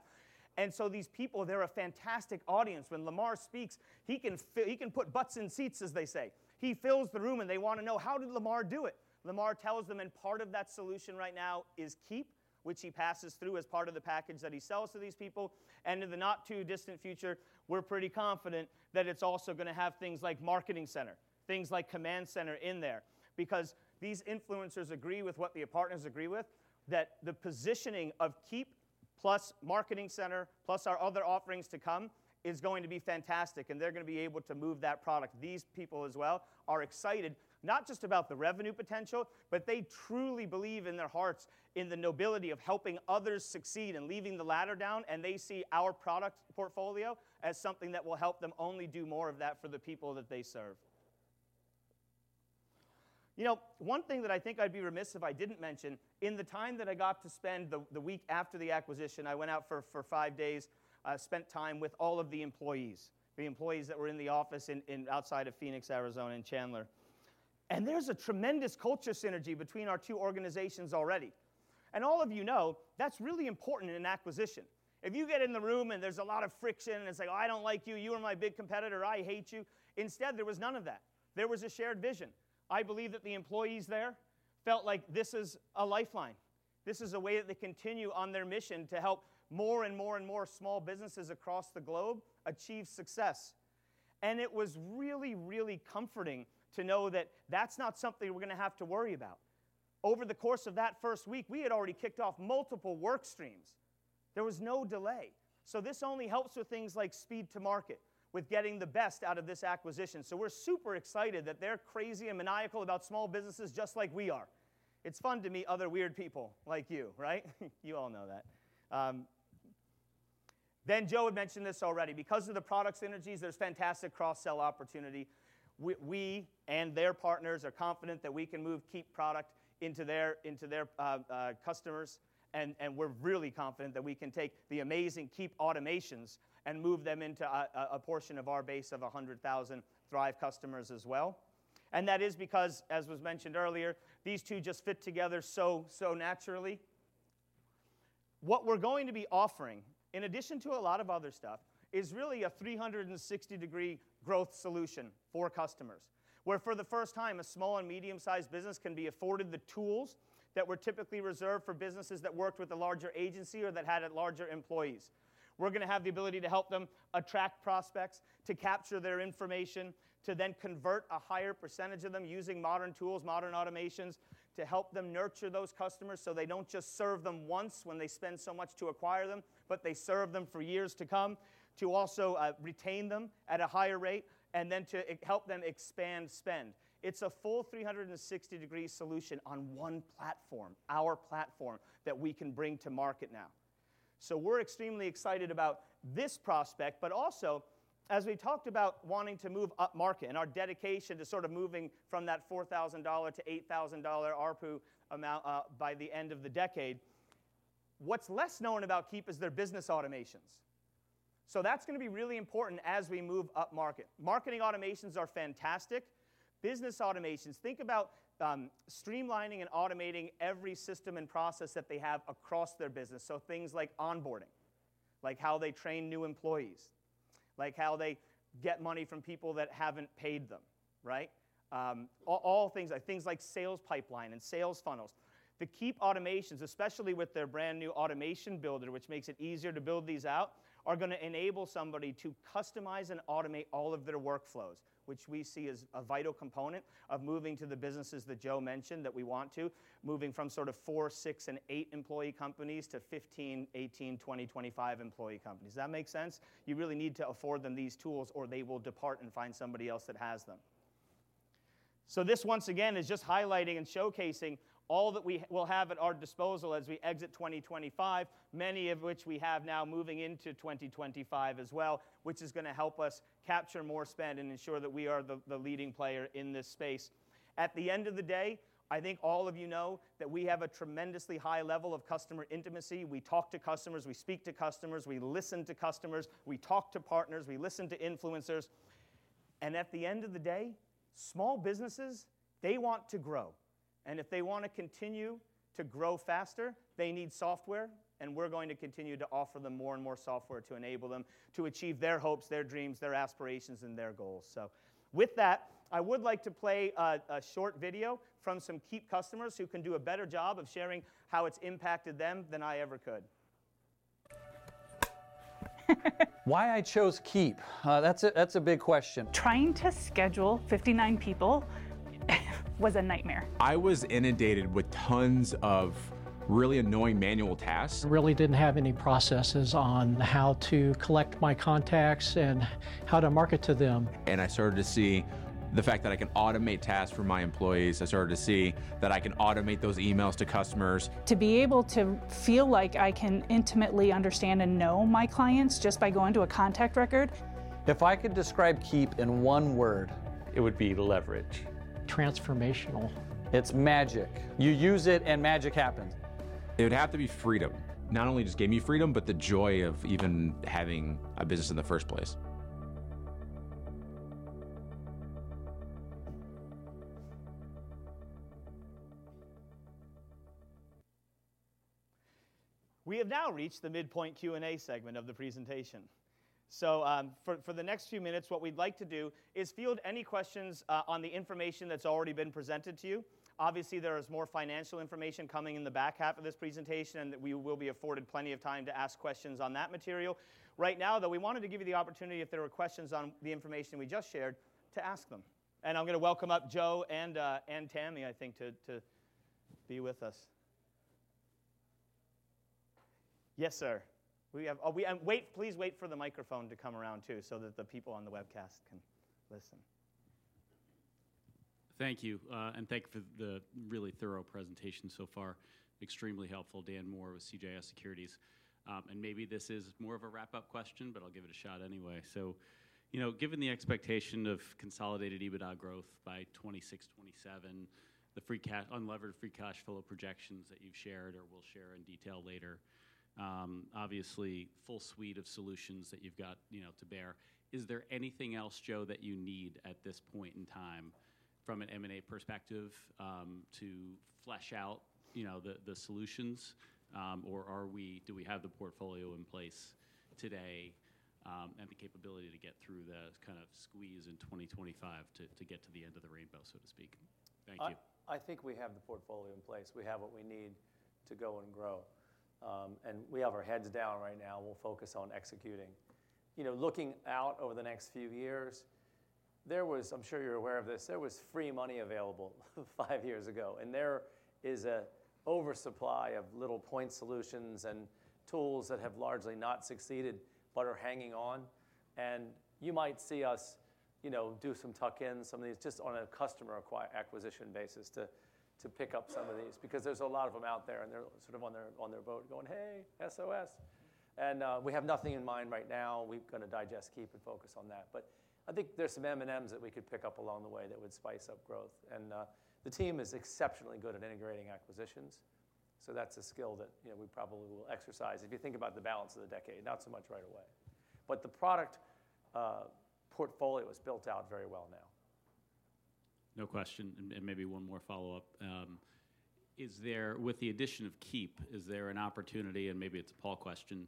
And so these people, they're a fantastic audience. When Lamar speaks, he can fill, he can put butts in seats, as they say. He fills the room, and they wanna know, how did Lamar do it? Lamar tells them, and part of that solution right now is Keap, which he passes through as part of the package that he sells to these people. In the not too distant future, we're pretty confident that it's also gonna have things like Marketing Center, things like Command Center in there. Because these influencers agree with what the partners agree with, that the positioning of Keap plus Marketing Center plus our other offerings to come is going to be fantastic, and they're gonna be able to move that product. These people as well are excited, not just about the revenue potential, but they truly believe in their hearts in the nobility of helping others succeed and leaving the ladder down. They see our product portfolio as something that will help them only do more of that for the people that they serve. You know, one thing that I think I'd be remiss if I didn't mention, in the time that I got to spend the week after the acquisition, I went out for five days, spent time with all of the employees, the employees that were in the office in outside of Phoenix, Arizona, in Chandler. And there's a tremendous culture synergy between our two organizations already. And all of you know, that's really important in an acquisition. If you get in the room and there's a lot of friction and it's like, "Oh, I don't like you. You are my big competitor. I hate you." Instead, there was none of that. There was a shared vision. I believe that the employees there felt like this is a lifeline. This is a way that they continue on their mission to help more and more and more small businesses across the globe achieve success. And it was really, really comforting to know that that's not something we're gonna have to worry about. Over the course of that first week, we had already kicked off multiple work streams. There was no delay. So this only helps with things like speed to market, with getting the best out of this acquisition. So we're super excited that they're crazy and maniacal about small businesses just like we are. It's fun to meet other weird people like you, right? You all know that. Then Joe had mentioned this already. Because of the product synergies, there's fantastic cross-sell opportunity. We and their partners are confident that we can move Keap product into their customers. We're really confident that we can take the amazing Keap automations and move them into a portion of our base of 100,000 Thryv customers as well. That is because, as was mentioned earlier, these two just fit together so naturally. What we're going to be offering, in addition to a lot of other stuff, is really a 360-degree growth solution for customers, where for the first time, a small and medium-sized business can be afforded the tools that were typically reserved for businesses that worked with a larger agency or that had larger employees. We're gonna have the ability to help them attract prospects, to capture their information, to then convert a higher percentage of them using modern tools, modern automations, to help them nurture those customers so they don't just serve them once when they spend so much to acquire them, but they serve them for years to come, to also retain them at a higher rate, and then to help them expand spend. It's a full 360-degree solution on one platform, our platform, that we can bring to market now. So we're extremely excited about this prospect, but also, as we talked about wanting to move up market and our dedication to sort of moving from that $4,000-$8,000 ARPU amount, by the end of the decade. What's less known about Keap is their business automations. So that's gonna be really important as we move up market. Marketing automations are fantastic. Business automations. Think about streamlining and automating every system and process that they have across their business. So things like onboarding, like how they train new employees, like how they get money from people that haven't paid them, right? All, all things, like things like sales pipeline and sales funnels. The Keap automations, especially with their brand new automation builder, which makes it easier to build these out, are gonna enable somebody to customize and automate all of their workflows, which we see as a vital component of moving to the businesses that Joe mentioned that we want to, moving from sort of four, six, and eight employee companies to 15, 18, 20, 25 employee companies. Does that make sense? You really need to afford them these tools, or they will depart and find somebody else that has them. So this, once again, is just highlighting and showcasing all that we will have at our disposal as we exit 2025, many of which we have now moving into 2025 as well, which is gonna help us capture more spend and ensure that we are the leading player in this space. At the end of the day, I think all of you know that we have a tremendously high level of customer intimacy. We talk to customers, we speak to customers, we listen to customers, we talk to partners, we listen to influencers. And at the end of the day, small businesses, they want to grow. And if they wanna continue to grow faster, they need software, and we're going to continue to offer them more and more software to enable them to achieve their hopes, their dreams, their aspirations, and their goals. So with that, I would like to play a short video from some Keap customers who can do a better job of sharing how it's impacted them than I ever could. Why I chose Keap? That's a big question. Trying to schedule 59 people was a nightmare. I was inundated with tons of really annoying manual tasks. I really didn't have any processes on how to collect my contacts and how to market to them. And I started to see the fact that I can automate tasks for my employees. I started to see that I can automate those emails to customers. To be able to feel like I can intimately understand and know my clients just by going to a contact record. If I could describe Keap in one word, it would be leverage. Transformational. It's magic. You use it and magic happens. It would have to be freedom. Not only just gave me freedom, but the joy of even having a business in the first place. We have now reached the midpoint Q&A segment of the presentation. So, for the next few minutes, what we'd like to do is field any questions on the information that's already been presented to you. Obviously, there is more financial information coming in the back half of this presentation, and we will be afforded plenty of time to ask questions on that material. Right now, though, we wanted to give you the opportunity, if there were questions on the information we just shared, to ask them. And I'm gonna welcome up Joe and Tami, I think, to be with us. Yes, sir. Wait, please wait for the microphone to come around too so that the people on the webcast can listen. Thank you. And thank you for the really thorough presentation so far. Extremely helpful, Dan Moore with CJS Securities. And maybe this is more of a wrap-up question, but I'll give it a shot anyway. So, you know, given the expectation of consolidated EBITDA growth by 26%-27%, the free cash, unlevered free cash flow projections that you've shared or will share in detail later, obviously, full suite of solutions that you've got, you know, to bear. Is there anything else, Joe, that you need at this point in time from an M&A perspective, to flesh out, you know, the solutions, or are we, do we have the portfolio in place today, and the capability to get through the kind of squeeze in 2025 to get to the end of the rainbow, so to speak? Thank you. I think we have the portfolio in place. We have what we need to go and grow, and we have our heads down right now. We'll focus on executing. You know, looking out over the next few years, there was, I'm sure you're aware of this, there was free money available five years ago, and there is an oversupply of little point solutions and tools that have largely not succeeded but are hanging on. And you might see us, you know, do some tuck-ins, some of these just on a customer acquisition basis to pick up some of these because there's a lot of them out there and they're sort of on their boat going, "Hey, SOS." We have nothing in mind right now. We've gotta digest Keap and focus on that. But I think there's some M&As that we could pick up along the way that would spice up growth. And the team is exceptionally good at integrating acquisitions. So that's a skill that, you know, we probably will exercise if you think about the balance of the decade, not so much right away. But the product portfolio is built out very well now. No question. And maybe one more follow-up. Is there, with the addition of Keap, is there an opportunity, and maybe it's a Paul question,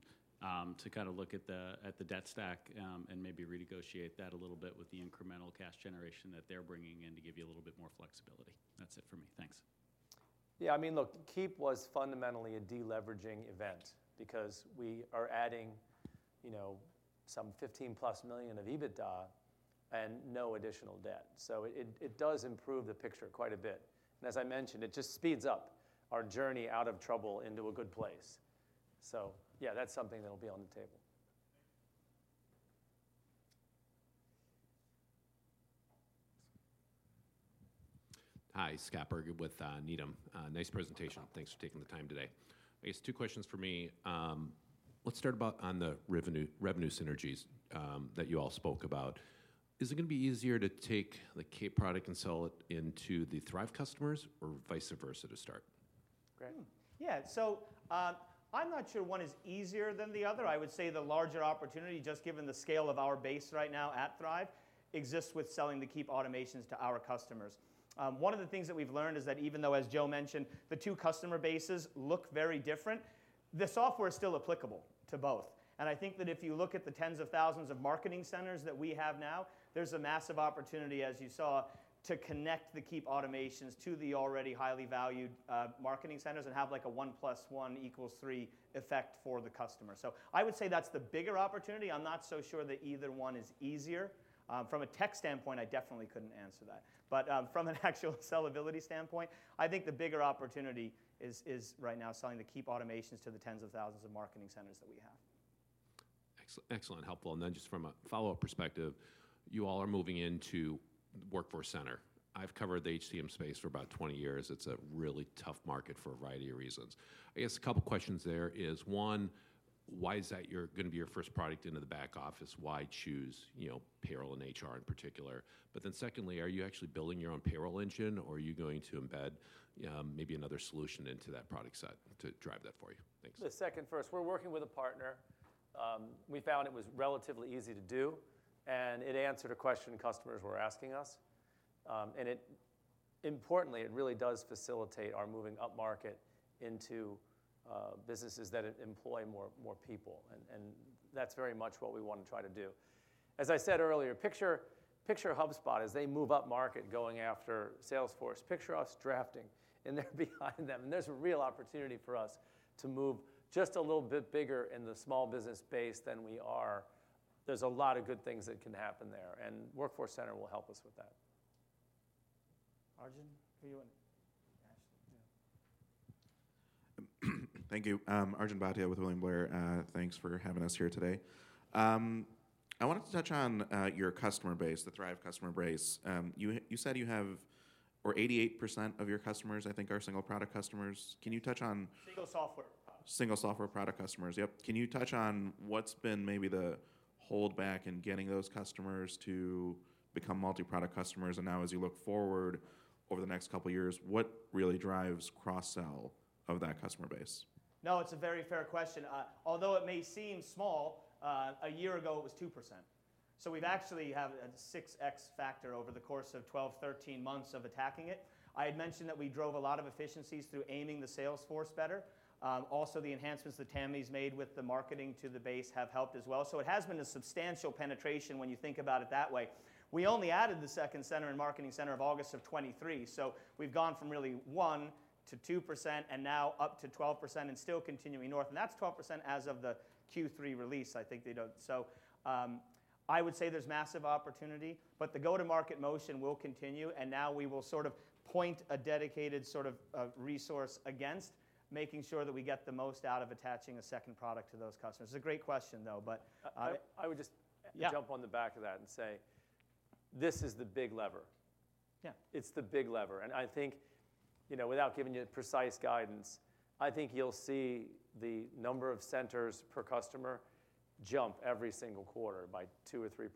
to kinda look at the, at the debt stack, and maybe renegotiate that a little bit with the incremental cash generation that they're bringing in to give you a little bit more flexibility? That's it for me. Thanks. Yeah. I mean, look, Keap was fundamentally a deleveraging event because we are adding, you know, some $15+ million of EBITDA and no additional debt. So it does improve the picture quite a bit. And as I mentioned, it just speeds up our journey out of trouble into a good place. So yeah, that's something that'll be on the table. Hi, Scott Berg with Needham. Nice presentation. Thanks for taking the time today. I guess two questions for me. Let's start about on the revenue, revenue synergies, that you all spoke about. Is it gonna be easier to take the Keap product and sell it into the Thryv customers or vice versa to start? Great. Yeah. So, I'm not sure one is easier than the other. I would say the larger opportunity, just given the scale of our base right now at Thryv, exists with selling the Keap automations to our customers. One of the things that we've learned is that even though, as Joe mentioned, the two customer bases look very different, the software is still applicable to both. And I think that if you look at the tens of thousands of Marketing Centers that we have now, there's a massive opportunity, as you saw, to connect the Keap automations to the already highly valued Marketing Centers and have like a one plus one equals three effect for the customer. So I would say that's the bigger opportunity. I'm not so sure that either one is easier. From a tech standpoint, I definitely couldn't answer that. But from an actual sellability standpoint, I think the bigger opportunity is right now selling the Keap automations to the tens of thousands of Marketing Centers that we have. Excellent. Excellent. Helpful. And then just from a follow-up perspective, you all are moving into the Workforce Center. I've covered the HCM space for about 20 years. It's a really tough market for a variety of reasons. I guess a couple questions there is one, why is that you're gonna be your first product into the back office? Why choose, you know, payroll and HR in particular? But then secondly, are you actually building your own payroll engine or are you going to embed, maybe another solution into that product set to drive that for you? Thanks. The second first, we're working with a partner. We found it was relatively easy to do, and it answered a question customers were asking us. And it, importantly, it really does facilitate our moving up market into businesses that employ more people. And that's very much what we wanna try to do. As I said earlier, picture HubSpot as they move up market going after Salesforce. Picture us drafting and they're behind them. And there's a real opportunity for us to move just a little bit bigger in the small business base than we are. There's a lot of good things that can happen there, and Workforce Center will help us with that. Arjun, who are you? Ashley, yeah. Thank you. Arjun Bhatia with William Blair. Thanks for having us here today. I wanted to touch on your customer base, the Thryv customer base. You, you said you have or 88% of your customers, I think, are single product customers. Can you touch on single software product? Single software product customers. Yep. Can you touch on what's been maybe the holdback in getting those customers to become multi-product customers? And now, as you look forward over the next couple of years, what really drives cross-sell of that customer base? No, it's a very fair question. Although it may seem small, a year ago it was 2%. So we've actually had a 6x factor over the course of 12, 13 months of attacking it. I had mentioned that we drove a lot of efficiencies through aiming the Salesforce better. Also, the enhancements that Tami's made with the marketing to the base have helped as well. So it has been a substantial penetration when you think about it that way. We only added the second center and Marketing Center in August of 2023. So we've gone from really 1%-2% and now up to 12% and still continuing north. And that's 12% as of the Q3 release, I think they don't. So, I would say there's massive opportunity, but the go-to-market motion will continue. And now we will sort of point a dedicated sort of resource against making sure that we get the most out of attaching a second product to those customers. It's a great question though, but I would just jump on the back of that and say this is the big lever. Yeah. It's the big lever. And I think, you know, without giving you precise guidance, I think you'll see the number of centers per customer jump every single quarter by 2% or 3%.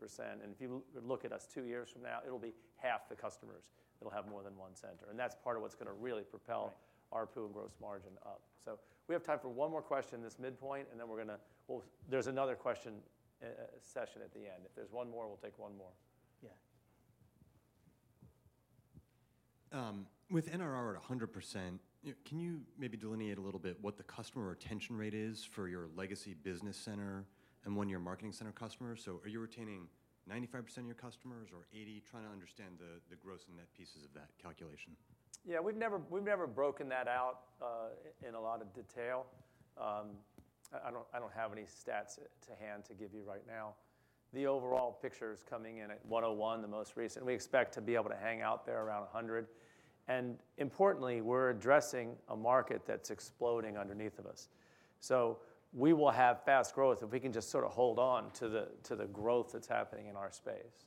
If you look at us two years from now, it will be half the customers that will have more than one center. And that is part of what is going to really propel our ARPU and gross margin up. So we have time for one more question in this midpoint, and then we are going to, well, there is another Q&A session at the end. If there is one more, we will take one more. Yeah. With NRR at 100%, can you maybe delineate a little bit what the customer retention rate is for your legacy Business Center and one-year Marketing Center customers? So are you retaining 95% of your customers or 80%? Trying to understand the gross and net pieces of that calculation. Yeah. We have never broken that out in a lot of detail. I do not have any stats to hand to give you right now. The overall picture is coming in at 101%, the most recent. We expect to be able to hang out there around 100%. And importantly, we're addressing a market that's exploding underneath of us. So we will have fast growth if we can just sort of hold on to the growth that's happening in our space.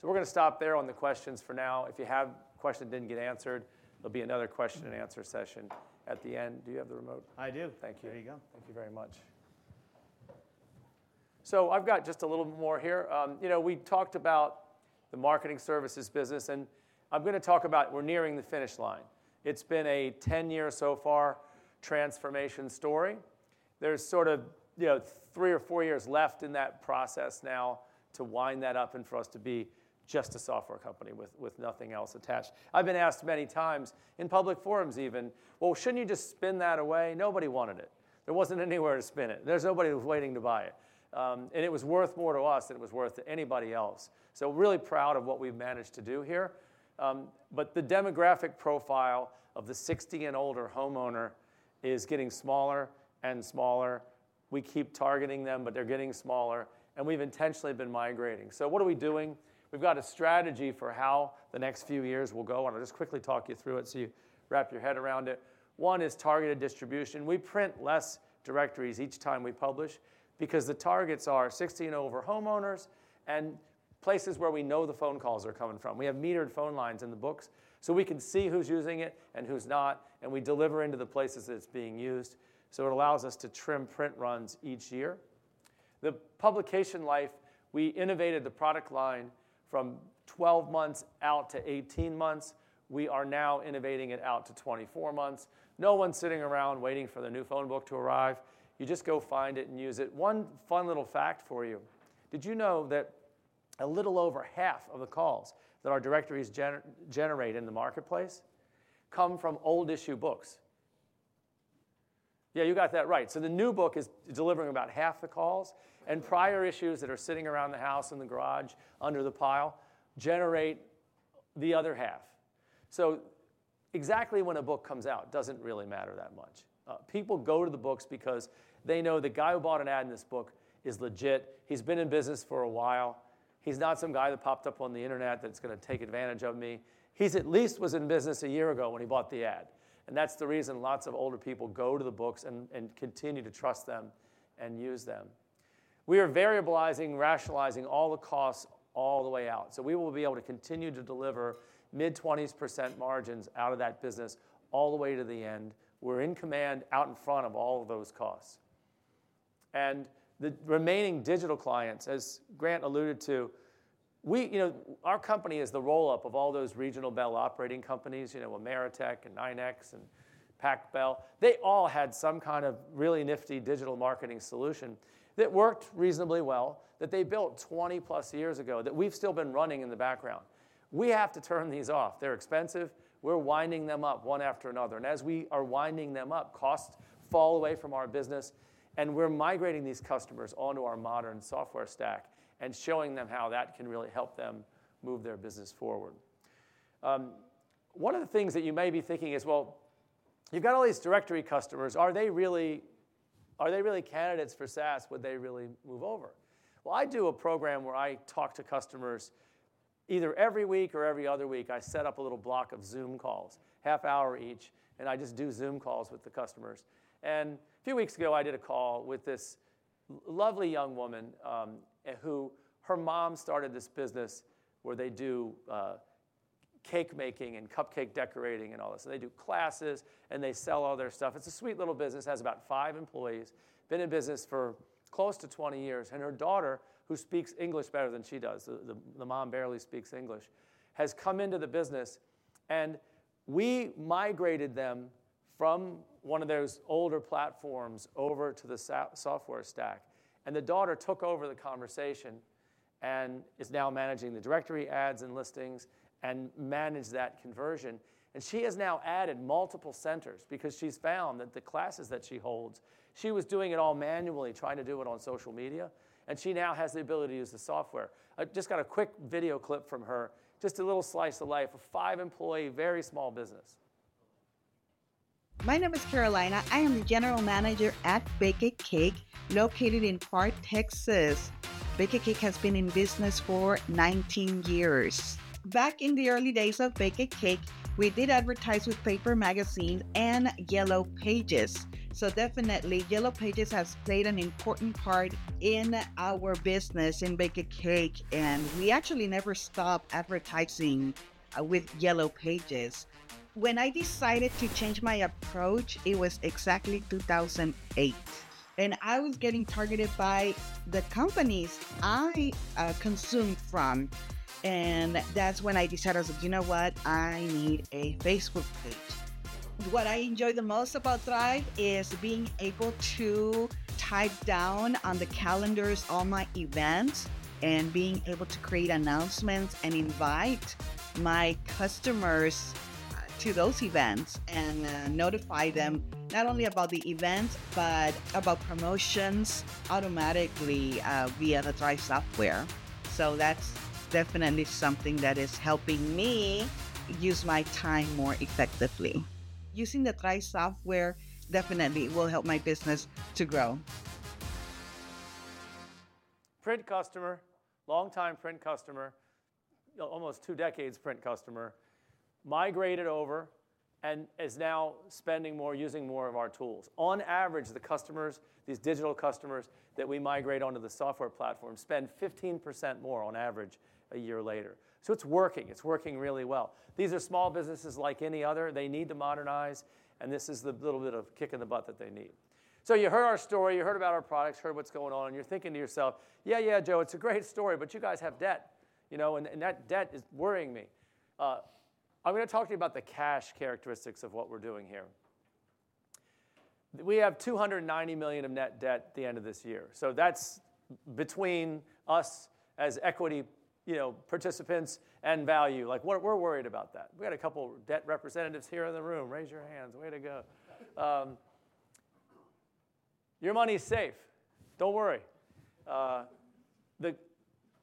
So we're gonna stop there on the questions for now. If you have questions that didn't get answered, there'll be another question and answer session at the end. Do you have the remote? I do Thank you. There you go. Thank you very much. So I've got just a little bit more here. You know, we talked about the Marketing Services business, and I'm gonna talk about we're nearing the finish line. It's been a 10-year so far transformation story. There's sort of, you know, three or four years left in that process now to wind that up and for us to be just a software company with nothing else attached. I've been asked many times in public forums even, well, shouldn't you just spin that away? Nobody wanted it. There wasn't anywhere to spin it. There's nobody who's waiting to buy it, and it was worth more to us than it was worth to anybody else, so really proud of what we've managed to do here, but the demographic profile of the 60 and older homeowner is getting smaller and smaller. We keep targeting them, but they're getting smaller, and we've intentionally been migrating, so what are we doing? We've got a strategy for how the next few years will go, and I'll just quickly talk you through it so you wrap your head around it. One is targeted distribution. We print less directories each time we publish because the targets are targeted to homeowners and places where we know the phone calls are coming from. We have metered phone lines in the books so we can see who's using it and who's not, and we deliver into the places that it's being used. So it allows us to trim print runs each year. The publication life, we innovated the product line from 12 months out to 18 months. We are now innovating it out to 24 months. No one's sitting around waiting for the new phone book to arrive. You just go find it and use it. One fun little fact for you. Did you know that a little over half of the calls that our directories generate in the marketplace come from old issue books? Yeah, you got that right. So the new book is delivering about half the calls, and prior issues that are sitting around the house in the garage under the pile generate the other half. So exactly when a book comes out doesn't really matter that much. People go to the books because they know the guy who bought an ad in this book is legit. He's been in business for a while. He's not some guy that popped up on the internet that's gonna take advantage of me. He at least was in business a year ago when he bought the ad. And that's the reason lots of older people go to the books and, and continue to trust them and use them. We are variabilizing, rationalizing all the costs all the way out. So we will be able to continue to deliver mid-20s% margins out of that business all the way to the end. We're in command out in front of all of those costs. And the remaining digital clients, as Grant alluded to, we, you know, our company is the roll-up of all those regional Bell operating companies, you know, Ameritech and NYNEX and PacBell. They all had some kind of really nifty digital marketing solution that worked reasonably well that they built 20+ years ago that we've still been running in the background. We have to turn these off. They're expensive. We're winding them up one after another. And as we are winding them up, costs fall away from our business, and we're migrating these customers onto our modern software stack and showing them how that can really help them move their business forward. One of the things that you may be thinking is, well, you've got all these directory customers. Are they really, are they really candidates for SaaS? Would they really move over? Well, I do a program where I talk to customers either every week or every other week. I set up a little block of Zoom calls, half an hour each, and I just do Zoom calls with the customers. And a few weeks ago, I did a call with this lovely young woman, who her mom started this business where they do cake making and cupcake decorating and all this. And they do classes, and they sell all their stuff. It's a sweet little business. Has about five employees, been in business for close to 20 years. And her daughter, who speaks English better than she does, the mom barely speaks English, has come into the business. We migrated them from one of those older platforms over to the SaaS software stack. The daughter took over the conversation and is now managing the directory ads and listings and managed that conversion. She has now added multiple centers because she's found that the classes that she holds, she was doing it all manually, trying to do it on social media, and she now has the ability to use the software. I just got a quick video clip from her, just a little slice of life of five-employee, very small business. My name is Carolina. I am the general manager at Beik'd Cake located in Katy, Texas. Beik'd Cake has been in business for 19 years. Back in the early days of Beik'd Cake, we did advertise with paper magazines and Yellow Pages. So definitely, Yellow Pages has played an important part in our business in Beik'd Cake, and we actually never stopped advertising with Yellow Pages. When I decided to change my approach, it was exactly 2008, and I was getting targeted by the companies I consumed from. And that's when I decided, I was like, you know what? I need a Facebook page. What I enjoy the most about Thryv is being able to type down on the calendars all my events and being able to create announcements and invite my customers to those events and notify them not only about the events, but about promotions automatically via the Thryv software. So that's definitely something that is helping me use my time more effectively. Using the Thryv software definitely will help my business to grow. Print customer, longtime print customer, almost two decades print customer, migrated over and is now spending more, using more of our tools. On average, the customers, these digital customers that we migrate onto the software platform spend 15% more on average a year later. So it's working. It's working really well. These are small businesses like any other. They need to modernize, and this is the little bit of kick in the butt that they need. So you heard our story, you heard about our products, heard what's going on, and you're thinking to yourself, yeah, yeah, Joe, it's a great story, but you guys have debt, you know, and that debt is worrying me. I'm gonna talk to you about the cash characteristics of what we're doing here. We have $290 million of net debt at the end of this year. So that's between us as equity, you know, participants and value. Like, we're, we're worried about that. We got a couple of debt representatives here in the room. Raise your hands. Way to go. Your money's safe. Don't worry. The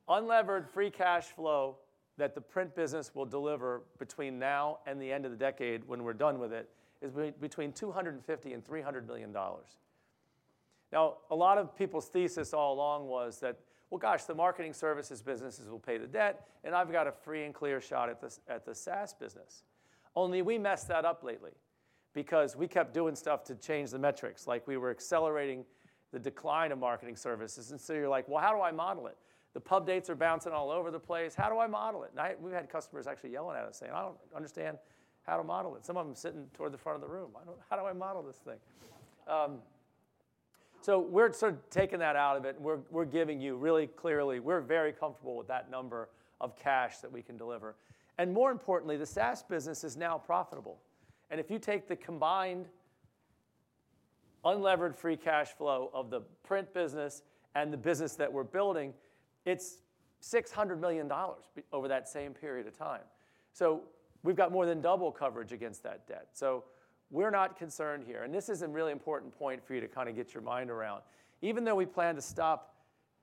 unlevered free cash flow that the print business will deliver between now and the end of the decade when we're done with it is between $250 and $300 million. Now, a lot of people's thesis all along was that, well, gosh, the Marketing Services businesses will pay the debt, and I've got a free and clear shot at the, at the SaaS business. Only we messed that up lately because we kept doing stuff to change the metrics. Like, we were accelerating the decline of Marketing Services. And so you're like, well, how do I model it? The pub dates are bouncing all over the place. How do I model it? We've had customers actually yelling at us saying, "I don't understand how to model it." Some of 'em sitting toward the front of the room. "I don't, how do I model this thing?" So we're sort of taking that out of it, and we're giving you really clearly. We're very comfortable with that number of cash that we can deliver. And more importantly, the SaaS business is now profitable. And if you take the combined unlevered free cash flow of the print business and the business that we're building, it's $600 million over that same period of time. So we've got more than double coverage against that debt. So we're not concerned here. And this is a really important point for you to kind of get your mind around. Even though we plan to stop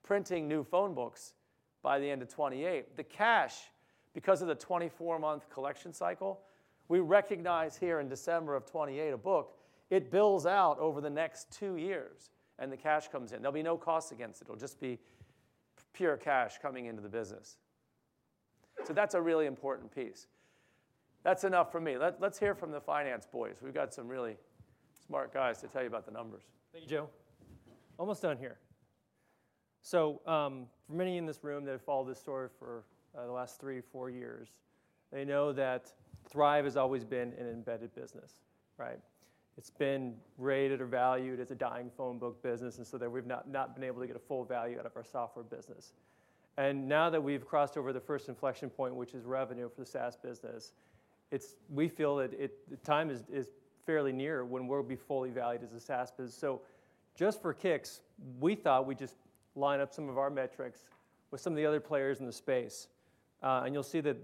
printing new phone books by the end of 2028, the cash, because of the 24-month collection cycle, we recognize here in December of 2028, a book, it bills out over the next two years and the cash comes in. There'll be no cost against it. It'll just be pure cash coming into the business. So that's a really important piece. That's enough for me. Let's hear from the finance boys. We've got some really smart guys to tell you about the numbers. Thank you, Joe. Almost done here. So, for many in this room that have followed this story for the last three, four years, they know that Thryv has always been an embedded business, right? It's been rated or valued as a dying phone book business. And so that we've not been able to get a full value out of our software business. Now that we've crossed over the first inflection point, which is revenue for the SaaS business, it's, we feel that it, the time is fairly near when we'll be fully valued as a SaaS business. Just for kicks, we thought we'd just line up some of our metrics with some of the other players in the space. And you'll see that,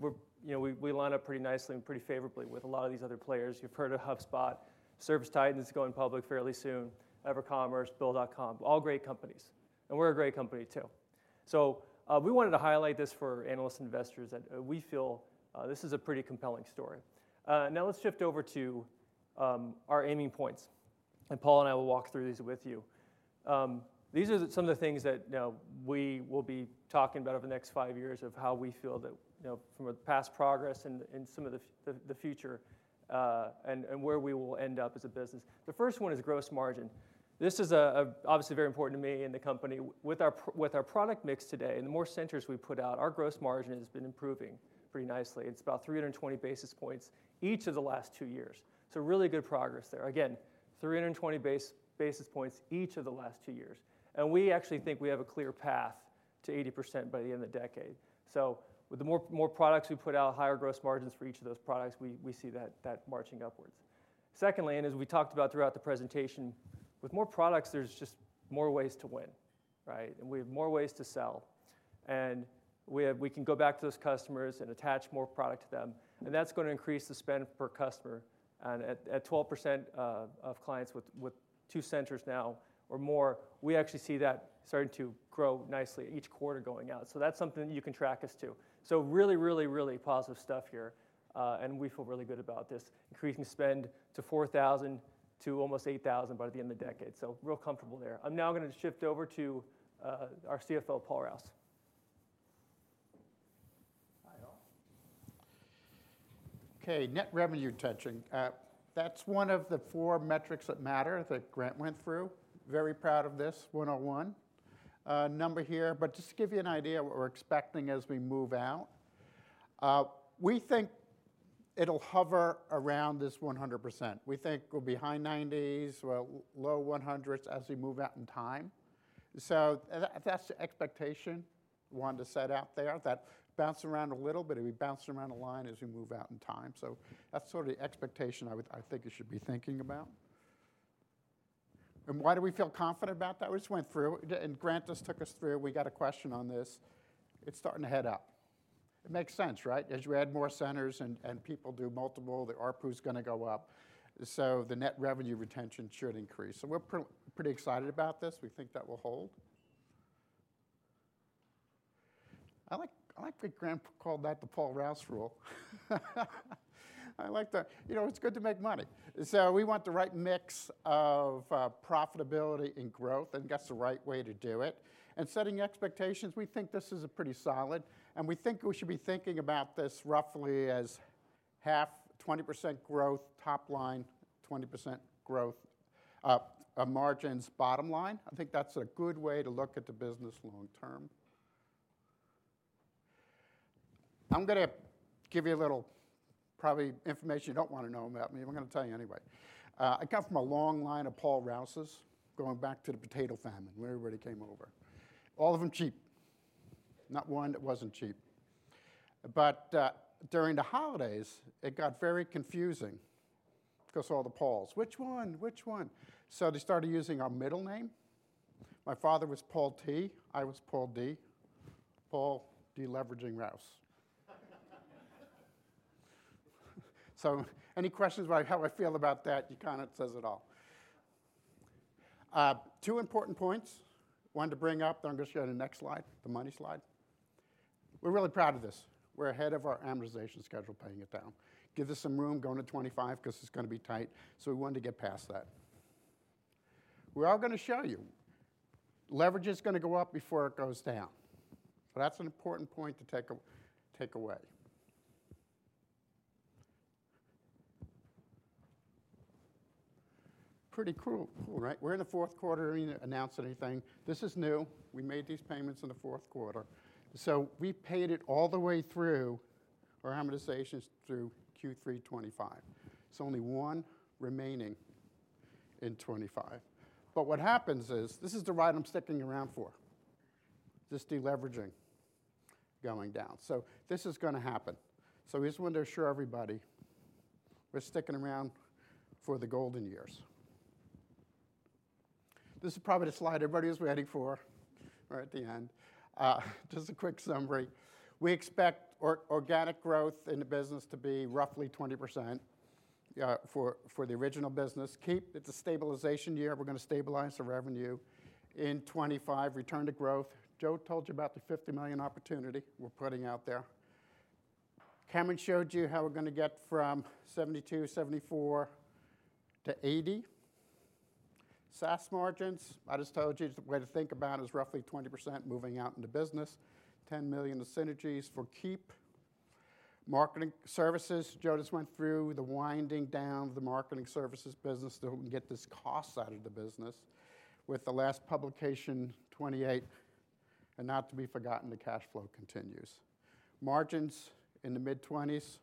we're, you know, we line up pretty nicely and pretty favorably with a lot of these other players. You've heard of HubSpot, ServiceTitan's going public fairly soon, EverCommerce, Bill.com, all great companies. And we're a great company too. We wanted to highlight this for analysts and investors that we feel this is a pretty compelling story. Now let's shift over to our aiming points. And Paul and I will walk through these with you. These are some of the things that, you know, we will be talking about over the next five years of how we feel that, you know, from a past progress and some of the future, and where we will end up as a business. The first one is gross margin. This is obviously very important to me and the company with our product mix today. And the more centers we put out, our gross margin has been improving pretty nicely. It's about 320 basis points each of the last two years. So really good progress there. Again, 320 basis points each of the last two years. And we actually think we have a clear path to 80% by the end of the decade. So with the more products we put out, higher gross margins for each of those products, we see that marching upwards. Secondly, and as we talked about throughout the presentation, with more products, there's just more ways to win, right? And we have more ways to sell. And we can go back to those customers and attach more product to them. And that's gonna increase the spend per customer. And at 12% of clients with two centers now or more, we actually see that starting to grow nicely each quarter going out. So that's something that you can track us to. So really positive stuff here. And we feel really good about this increasing spend to $4,000 to almost $8,000 by the end of the decade. So real comfortable there. I'm now gonna shift over to our CFO, Paul Rouse. Hi, all. Okay. Net revenue retention. That's one of the four metrics that matter that Grant went through. Very proud of this 101% number here. But just to give you an idea of what we're expecting as we move out, we think it'll hover around this 100%. We think we'll be high 90s, low 100s as we move out in time. So that's the expectation we wanted to set out there that bounces around a little bit. We bounce around a line as we move out in time. So that's sort of the expectation I would, I think you should be thinking about. And why do we feel confident about that? We just went through and Grant just took us through. We got a question on this. It's starting to head up. It makes sense, right? As you add more centers and people do multiple, the ARPU's gonna go up, so the net revenue retention should increase. We're pretty excited about this. We think that will hold. I like what Grant called that, the Paul Rouse rule. I like that. You know, it's good to make money. We want the right mix of profitability and growth and got the right way to do it. Setting expectations, we think this is pretty solid. We think we should be thinking about this roughly as half 20% growth top line, 20% growth margins bottom line. I think that's a good way to look at the business long term. I'm gonna give you a little personal information you don't wanna know about me. I'm gonna tell you anyway. I come from a long line of Paul Rouses going back to the potato famine when everybody came over. All of 'em cheap. Not one that wasn't cheap. But during the holidays, it got very confusing 'cause all the Pauls, which one, which one? So they started using our middle name. My father was Paul T. I was Paul D. Paul Deleveraging Rouse. So any questions about how I feel about that? You kind of says it all. Two important points. One to bring up, then I'm gonna show you the next slide, the money slide. We're really proud of this. We're ahead of our amortization schedule, paying it down. Give us some room, going to 2025 'cause it's gonna be tight. So we wanted to get past that. We're all gonna show you leverage is gonna go up before it goes down. That's an important point to take away. Pretty cool. Right? We're in the fourth quarter. We didn't announce anything. This is new. We made these payments in the fourth quarter. So we paid it all the way through our amortizations through Q3 2025. It's only one remaining in 2025. But what happens is this is the ride I'm sticking around for. Just deleveraging going down. So this is gonna happen. So we just wanted to assure everybody we're sticking around for the golden years. This is probably the slide everybody is ready for right at the end. Just a quick summary. We expect organic growth in the business to be roughly 20% for the original business. Keap, it's a stabilization year. We're gonna stabilize the revenue in 2025. Return to growth. Joe told you about the $50 million opportunity we're putting out there. Cameron showed you how we're gonna get from 72%-74%-80%. SaaS margins, I just told you the way to think about it is roughly 20% moving out into business. $10 million of synergies for Keap, Marketing Services. Joe just went through the winding down of the Marketing Services business to get this cost side of the business with the last publication 28, and not to be forgotten, the cash flow continues. Margins in the mid-20s.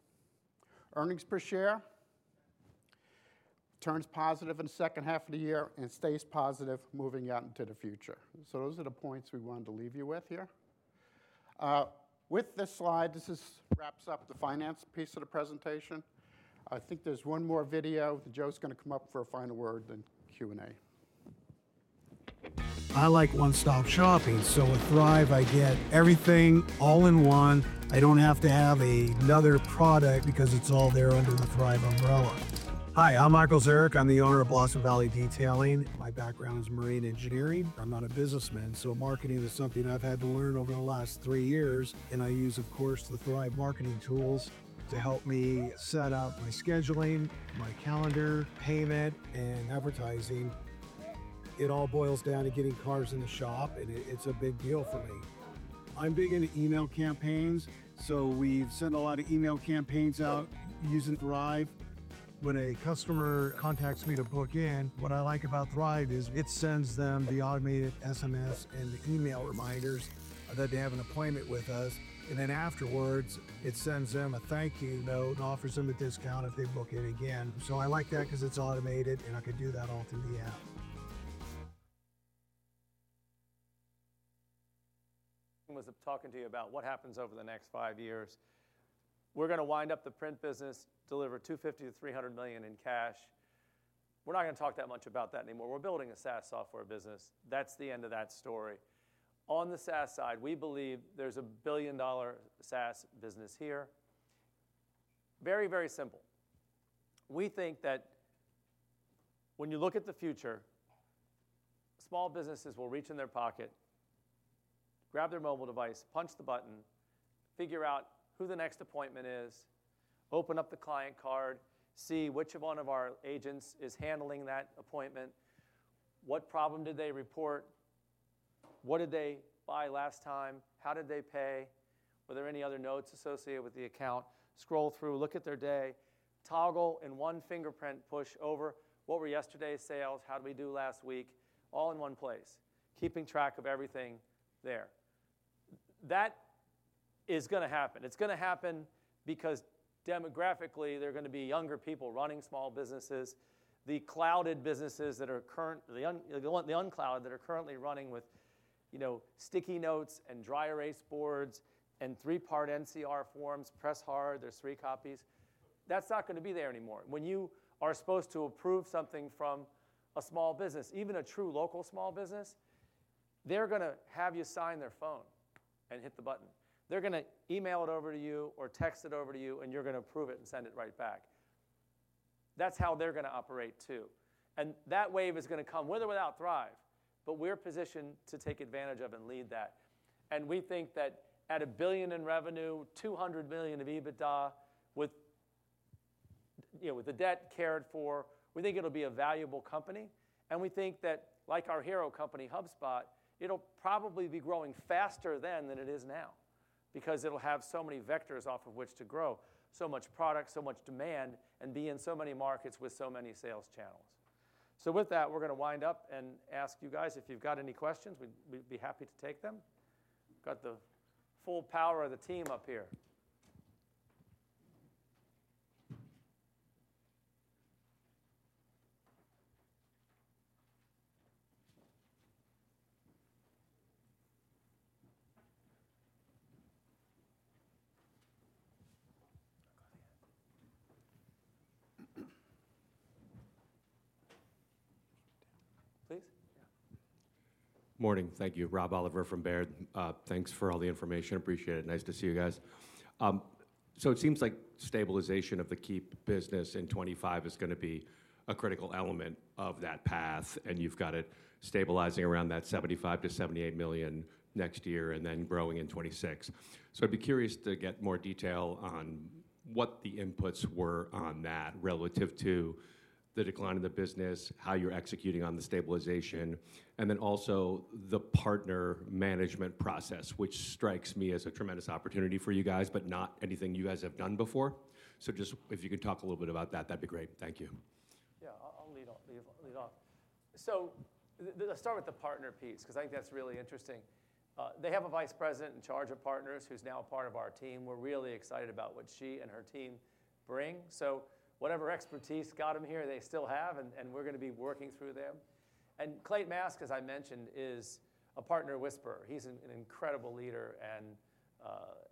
Earnings per share turns positive in the second half of the year and stays positive moving out into the future. Those are the points we wanted to leave you with here with this slide. This wraps up the finance piece of the presentation. I think there's one more video. Joe's gonna come up for a final word in Q and A. I like one-stop shopping. So with Thryv, I get everything all in one. I don't have to have another product because it's all there under the Thryv umbrella. Hi, I'm Michael Zurek. I'm the owner of Blossom Valley Detailing. My background is marine engineering. I'm not a businessman. So marketing is something I've had to learn over the last three years. And I use, of course, the Thryv marketing tools to help me set up my scheduling, my calendar, payment, and advertising. It all boils down to getting cars in the shop, and it's a big deal for me. I'm big into email campaigns. So we've sent a lot of email campaigns out using Thryv. When a customer contacts me to book in, what I like about Thryv is it sends them the automated SMS and the email reminders that they have an appointment with us. And then afterwards, it sends them a thank you note and offers them a discount if they book in again. So I like that 'cause it's automated and I could do that all through the app. Was talking to you about what happens over the next five years. We're gonna wind up the print business, deliver $250 million-$300 million in cash. We're not gonna talk that much about that anymore. We're building a SaaS software business. That's the end of that story. On the SaaS side, we believe there's a $1 billion SaaS business here. Very, very simple. We think that when you look at the future, small businesses will reach in their pocket, grab their mobile device, punch the button, figure out who the next appointment is, open up the client card, see which one of our agents is handling that appointment, what problem did they report, what did they buy last time, how did they pay, were there any other notes associated with the account, scroll through, look at their day, toggle in one fingerprint, push over what were yesterday's sales, how did we do last week, all in one place, keeping track of everything there. That is gonna happen. It's gonna happen because demographically there are gonna be younger people running small businesses. The clouded businesses that are current, the unclouded that are currently running with, you know, sticky notes and dry erase boards and three-part NCR forms, press hard. There's three copies. That's not gonna be there anymore. When you are supposed to approve something from a small business, even a true local small business, they're gonna have you sign on their phone and hit the button. They're gonna email it over to you or text it over to you, and you're gonna approve it and send it right back. That's how they're gonna operate too, and that wave is gonna come with or without Thryv, but we are positioned to take advantage of and lead that, and we think that at $1 billion in revenue, $200 million of EBITDA with, you know, with the debt cared for, we think it'll be a valuable company. We think that like our hero company, HubSpot, it'll probably be growing faster then than it is now because it'll have so many vectors off of which to grow, so much product, so much demand, and be in so many markets with so many sales channels. With that, we're gonna wind up and ask you guys if you've got any questions. We'd be happy to take them. Got the full power of the team up here. Please? Yeah. Morning. Thank you, Rob Oliver from Baird. Thanks for all the information. Appreciate it. Nice to see you guys. It seems like stabilization of the Keap business in 2025 is gonna be a critical element of that path. And you've got it stabilizing around that $75 million-$78 million next year and then growing in 2026. So I'd be curious to get more detail on what the inputs were on that relative to the decline in the business, how you're executing on the stabilization, and then also the partner management process, which strikes me as a tremendous opportunity for you guys, but not anything you guys have done before. So just if you could talk a little bit about that, that'd be great. Thank you. Yeah, I'll lead off. So I'll start with the partner piece 'cause I think that's really interesting. They have a vice president in charge of partners who's now a part of our team. We're really excited about what she and her team bring. So whatever expertise got 'em here, they still have, and we're gonna be working through them. And Clate Mask, as I mentioned, is a partner whisperer. He's an incredible leader and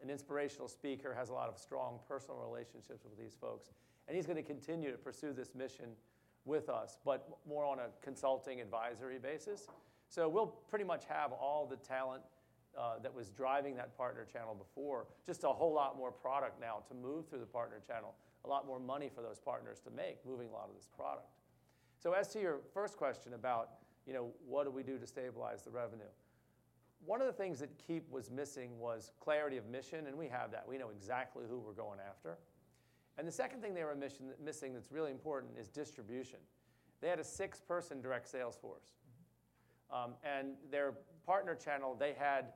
an inspirational speaker, has a lot of strong personal relationships with these folks. And he's gonna continue to pursue this mission with us, but more on a consulting advisory basis. So we'll pretty much have all the talent that was driving that partner channel before, just a whole lot more product now to move through the partner channel, a lot more money for those partners to make moving a lot of this product. So as to your first question about, you know, what do we do to stabilize the revenue, one of the things that Keap was missing was clarity of mission. And we have that. We know exactly who we're going after. And the second thing they were missing that's really important is distribution. They had a six-person direct sales force. And their partner channel, they had,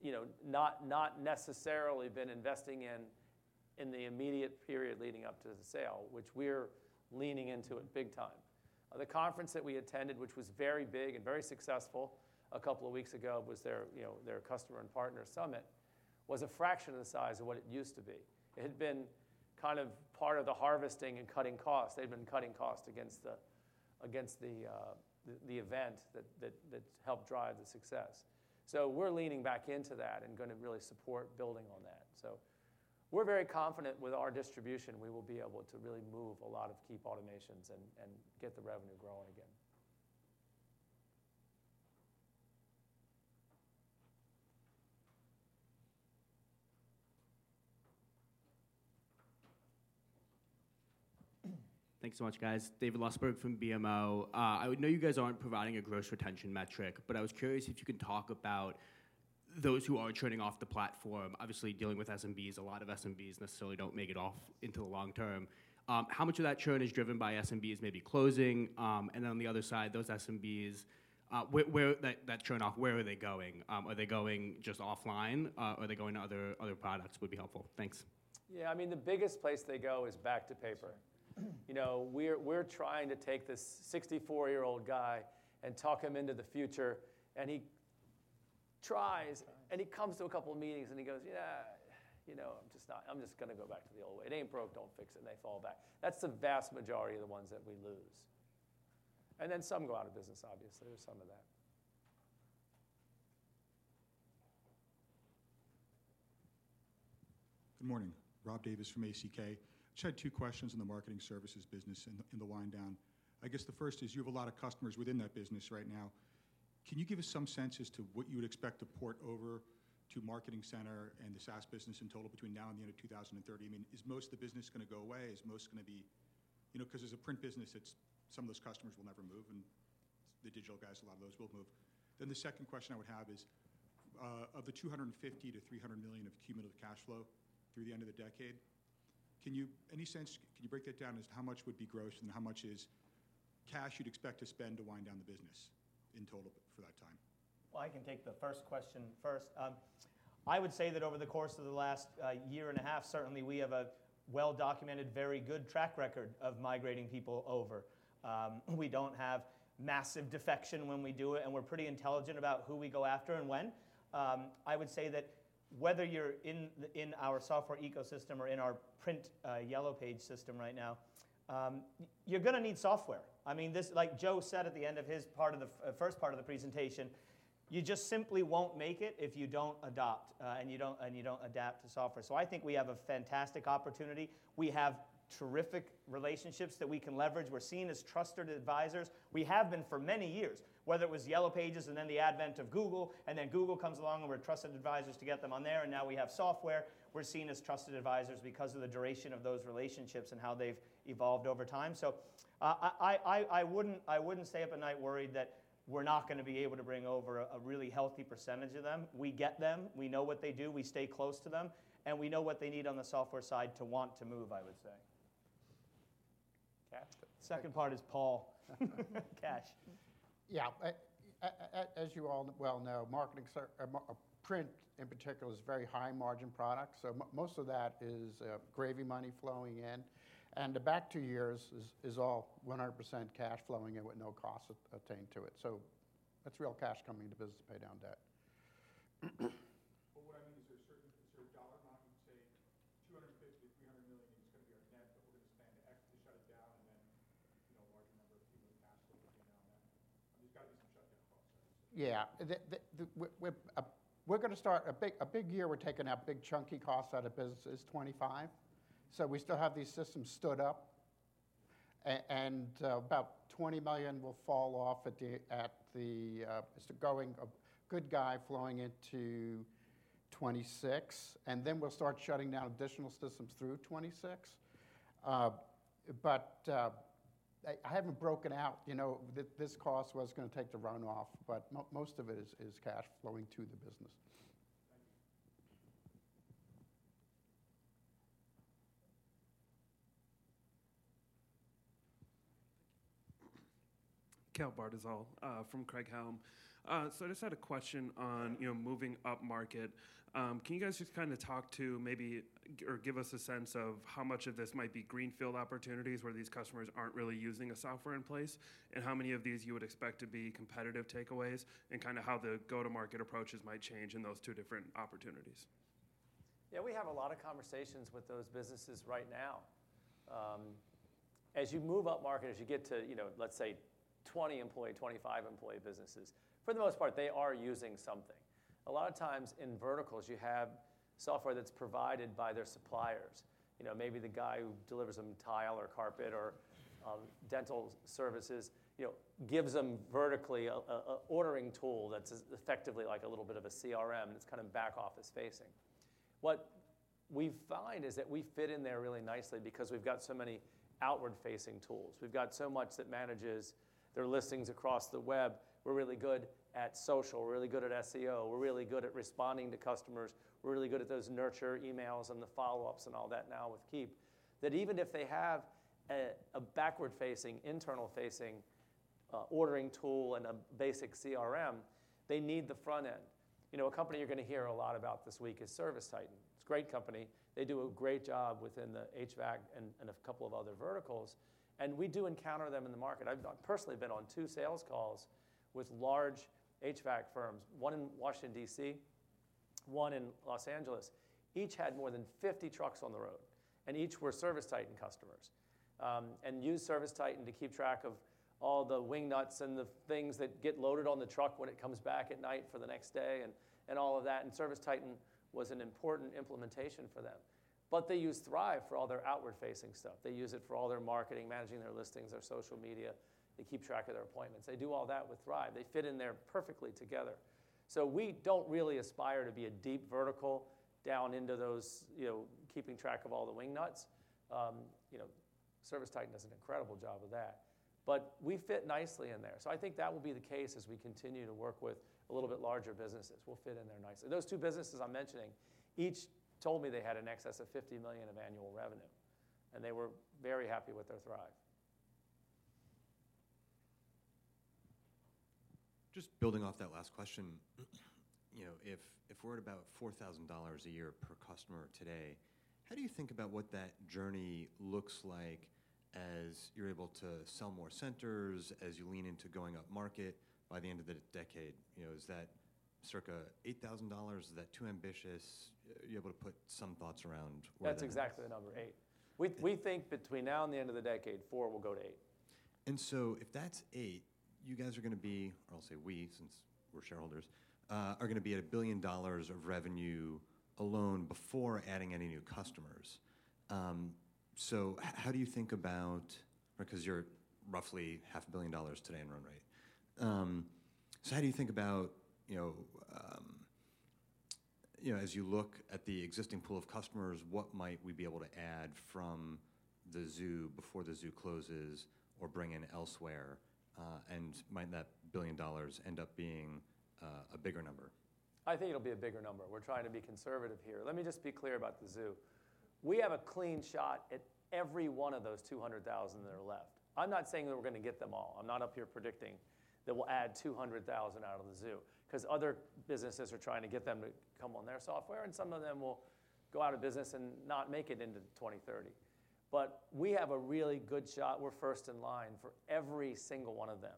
you know, not necessarily been investing in the immediate period leading up to the sale, which we are leaning into it big time. The conference that we attended, which was very big and very successful a couple of weeks ago. Their, you know, customer and partner summit was a fraction of the size of what it used to be. It had been kind of part of the harvesting and cutting costs. They'd been cutting costs against the event that helped drive the success. So we're leaning back into that and gonna really support building on that. So we're very confident with our distribution. We will be able to really move a lot of Keap automations and get the revenue growing again. Thanks so much, guys. David Lustberg from BMO. I know you guys aren't providing a gross retention metric, but I was curious if you could talk about those who are churning off the platform. Obviously, dealing with SMBs, a lot of SMBs necessarily don't make it off into the long term. How much of that churn is driven by SMBs maybe closing? And then on the other side, those SMBs, where that churn off, where are they going? Are they going just offline? Are they going to otherproducts? Would be helpful. Thanks. Yeah. I mean, the biggest place they go is back to paper. You know, we are, we're trying to take this 64-year-old guy and talk him into the future. And he tries and he comes to a couple of meetings and he goes, yeah, you know, I'm just not, I'm just gonna go back to the old way. It ain't broke, don't fix it. And they fall back. That's the vast majority of the ones that we lose. And then some go out of business, obviously, or some of that. Good morning. Rob Davis from ACK. I just had two questions in the Marketing Services business in the wind down. I guess the first is you have a lot of customers within that business right now. Can you give us some sense as to what you would expect to port over to Marketing Center and the SaaS business in total between now and the end of 2030? I mean, is most of the business gonna go away? Is most gonna be, you know, 'cause as a print business, it's some of those customers will never move and the digital guys, a lot of those will move. Then the second question I would have is, of the $250 million-$300 million of cumulative cash flow through the end of the decade, can you, any sense, can you break that down as how much would be gross and then how much is cash you'd expect to spend to wind down the business in total for that time? Well, I can take the first question first. I would say that over the course of the last year and a half, certainly we have a well-documented, very good track record of migrating people over. We don't have massive defection when we do it, and we're pretty intelligent about who we go after and when. I would say that whether you're in the in our software ecosystem or in our print yellow page system right now, you're gonna need software. I mean, this, like Joe said at the end of his part of the, first part of the presentation, you just simply won't make it if you don't adopt, and you don't, and you don't adapt to software. So I think we have a fantastic opportunity. We have terrific relationships that we can leverage. We're seen as trusted advisors. We have been for many years, whether it was yellow pages and then the advent of Google, and then Google comes along and we're trusted advisors to get them on there. And now we have software. We're seen as trusted advisors because of the duration of those relationships and how they've evolved over time. So, I wouldn't stay up at night worried that we're not gonna be able to bring over a really healthy percentage of them. We get them, we know what they do, we stay close to them, and we know what they need on the software side to want to move, I would say. Cash. Second part is Paul. Cash. Yeah. As you all well know, Marketing Center in particular is very high margin product. So most of that is, gravy money flowing in. And the back two years is, is all 100% cash flowing in with no cost attached to it. So that's real cash coming into business to pay down debt. But what I mean is, is there a dollar amount you'd say $250 million-$300 million is gonna be our net, but we're gonna spend to actually shut it down and then, you know, a larger number of cumulative cash flow to pay down that? There's gotta be some shutdown costs, I would assume. Yeah. We're gonna start a big year. We're taking out big chunky costs out of business. It's 2025. So we still have these systems stood up, and about $20 million will fall off. It's the going of good guy flowing into 2026, then we'll start shutting down additional systems through 2026. I haven't broken out, you know, this cost was gonna take the run off, but most of it is cash flowing to the business. Thank you. Jason Kreyer from Craig-Hallum Capital Group. I just had a question on, you know, moving up market. Can you guys just kind of talk to maybe or give us a sense of how much of this might be greenfield opportunities where these customers aren't really using a software in place and how many of these you would expect to be competitive takeaways and kind of how the go-to-market approaches might change in those two different opportunities? Yeah. We have a lot of conversations with those businesses right now. As you move up market, as you get to, you know, let's say 20 employee, 25 employee businesses, for the most part, they are using something. A lot of times in verticals, you have software that's provided by their suppliers. You know, maybe the guy who delivers them tile or carpet or dental services, you know, gives them vertically a ordering tool that's effectively like a little bit of a CRM that's kind of back office facing. What we find is that we fit in there really nicely because we've got so many outward-facing tools. We've got so much that manages their listings across the web. We're really good at social. We're really good at SEO. We're really good at responding to customers. We're really good at those nurture emails and the follow-ups and all that now with Keap that even if they have a backward-facing, internal-facing, ordering tool and a basic CRM, they need the front end. You know, a company you're gonna hear a lot about this week is ServiceTitan. It's a great company. They do a great job within the HVAC and a couple of other verticals. And we do encounter them in the market. I've personally been on two sales calls with large HVAC firms, one in Washington, D.C., one in Los Angeles. Each had more than 50 trucks on the road, and each were ServiceTitan customers, and used ServiceTitan to keep track of all the wing nuts and the things that get loaded on the truck when it comes back at night for the next day and all of that. ServiceTitan was an important implementation for them, but they use Thryv for all their outward-facing stuff. They use it for all their marketing, managing their listings, their social media. They keep track of their appointments. They do all that with Thryv. They fit in there perfectly together, so we don't really aspire to be a deep vertical down into those, you know, keeping track of all the wing nuts, you know. ServiceTitan does an incredible job of that, but we fit nicely in there. So I think that will be the case as we continue to work with a little bit larger businesses. We'll fit in there nicely. Those two businesses I'm mentioning, each told me they had an excess of $50 million of annual revenue, and they were very happy with their Thryv. Just building off that last question, you know, if we're at about $4,000 a year per customer today, how do you think about what that journey looks like as you're able to sell more centers, as you lean into going up market by the end of the decade? You know, is that circa $8,000? Is that too ambitious? Are you able to put some thoughts around where that? That's exactly the number eight. We think between now and the end of the decade, four will go to eight. And so if that's eight, you guys are gonna be, or I'll say we, since we're shareholders, are gonna be at $1 billion of revenue alone before adding any new customers. So how do you think about, or 'cause you're roughly $500 million today in run rate? So how do you think about, you know, you know, as you look at the existing pool of customers, what might we be able to add from the zoo before the zoo closes or bring in elsewhere? And might that $1 billion end up being a bigger number? I think it'll be a bigger number. We're trying to be conservative here. Let me just be clear about the zoo. We have a clean shot at every one of those 200,000 that are left. I'm not saying that we're gonna let them all. I'm not up here predicting that we'll add 200,000 out of the zoo 'cause other businesses are trying to get them to come on their software, and some of them will go out of business and not make it into 2030. But we have a really good shot. We're first in line for every single one of them.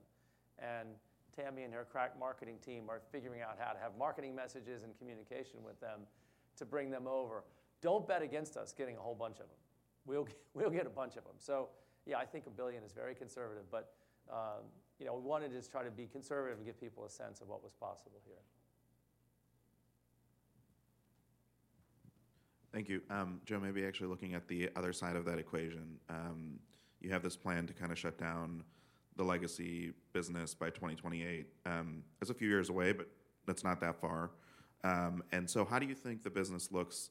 And Tami and her crack marketing team are figuring out how to have marketing messages and communication with them to bring them over. Don't bet against us getting a whole bunch of them. We'll get, we'll get a bunch of them. So yeah, I think a billion is very conservative, but, you know, we wanted to just try to be conservative and give people a sense of what was possible here. Thank you. Joe, maybe actually looking at the other side of that equation, you have this plan to kind of shut down the legacy business by 2028. That's a few years away, but that's not that far, and so how do you think the business looks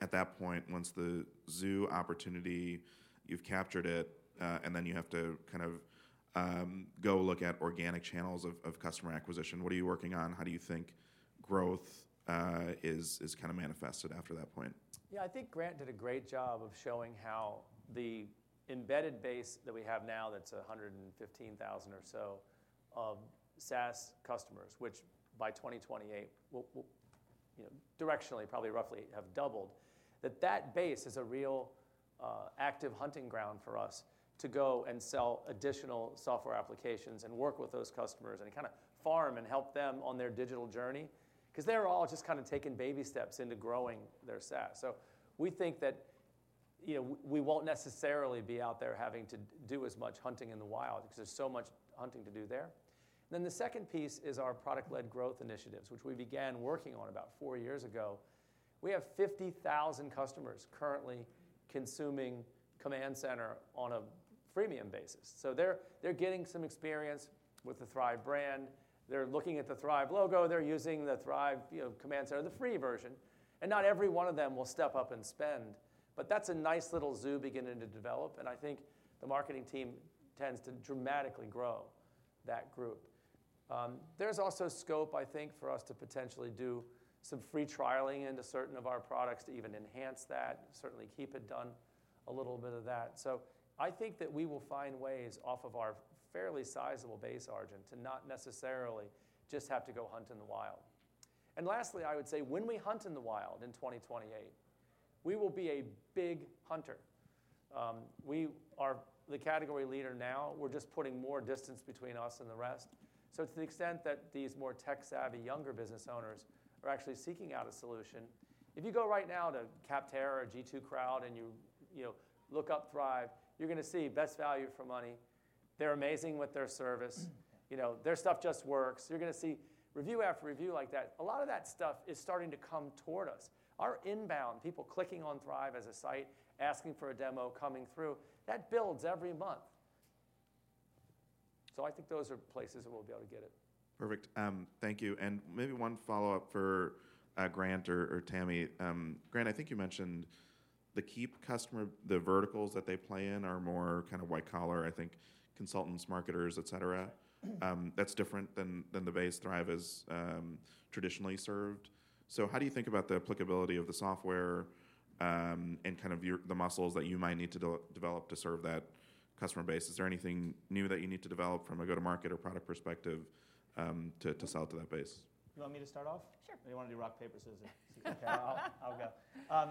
at that point once the new opportunity you've captured it, and then you have to kind of go look at organic channels of customer acquisition? What are you working on? How do you think growth is kind of manifested after that point? Yeah. I think Grant did a great job of showing how the embedded base that we have now, that's 115,000 or so of SaaS customers, which by 2028 will, you know, directionally probably roughly have doubled, that base is a real, active hunting ground for us to go and sell additional software applications and work with those customers and kind of farm and help them on their digital journey 'cause they're all just kind of taking baby steps into growing their SaaS. So we think that, you know, we won't necessarily be out there having to do as much hunting in the wild 'cause there's so much hunting to do there. And then the second piece is our product-led growth initiatives, which we began working on about four years ago. We have 50,000 customers currently consuming Command Center on a freemium basis. So they're getting some experience with the Thryv brand. They're looking at the Thryv logo. They're using the Thryv, you know, Command Center, the free version. And not every one of them will step up and spend, but that's a nice little pool beginning to develop. And I think the marketing team tends to dramatically grow that group. There's also scope, I think, for us to potentially do some free trialing into certain of our products to even enhance that, certainly keep it top of mind, a little bit of that. So I think that we will find ways off of our fairly sizable base margin to not necessarily just have to go hunt in the wild. And lastly, I would say when we hunt in the wild in 2028, we will be a big hunter. We are the category leader now. We're just putting more distance between us and the rest. So to the extent that these more tech-savvy younger business owners are actually seeking out a solution, if you go right now to Capterra or G2 Crowd and you, you know, look up Thryv, you're gonna see best value for money. They're amazing with their service. You know, their stuff just works. You're gonna see review after review like that. A lot of that stuff is starting to come toward us. Our inbound people clicking on Thryv as a site, asking for a demo, coming through, that builds every month. So I think those are places that we'll be able to get it. Perfect. Thank you. And maybe one follow-up for, Grant or, or Tami. Grant, I think you mentioned the Keap customer, the verticals that they play in are more kind of white-collar, I think, consultants, marketers, et cetera. That's different than the base Thryv is traditionally served. So how do you think about the applicability of the software, and kind of the muscles that you might need to develop to serve that customer base? Is there anything new that you need to develop from a go-to-market or product perspective, to sell to that base? You want me to start off? Sure. I didn't wanna do rock, paper, scissors. You can count out. I'll go.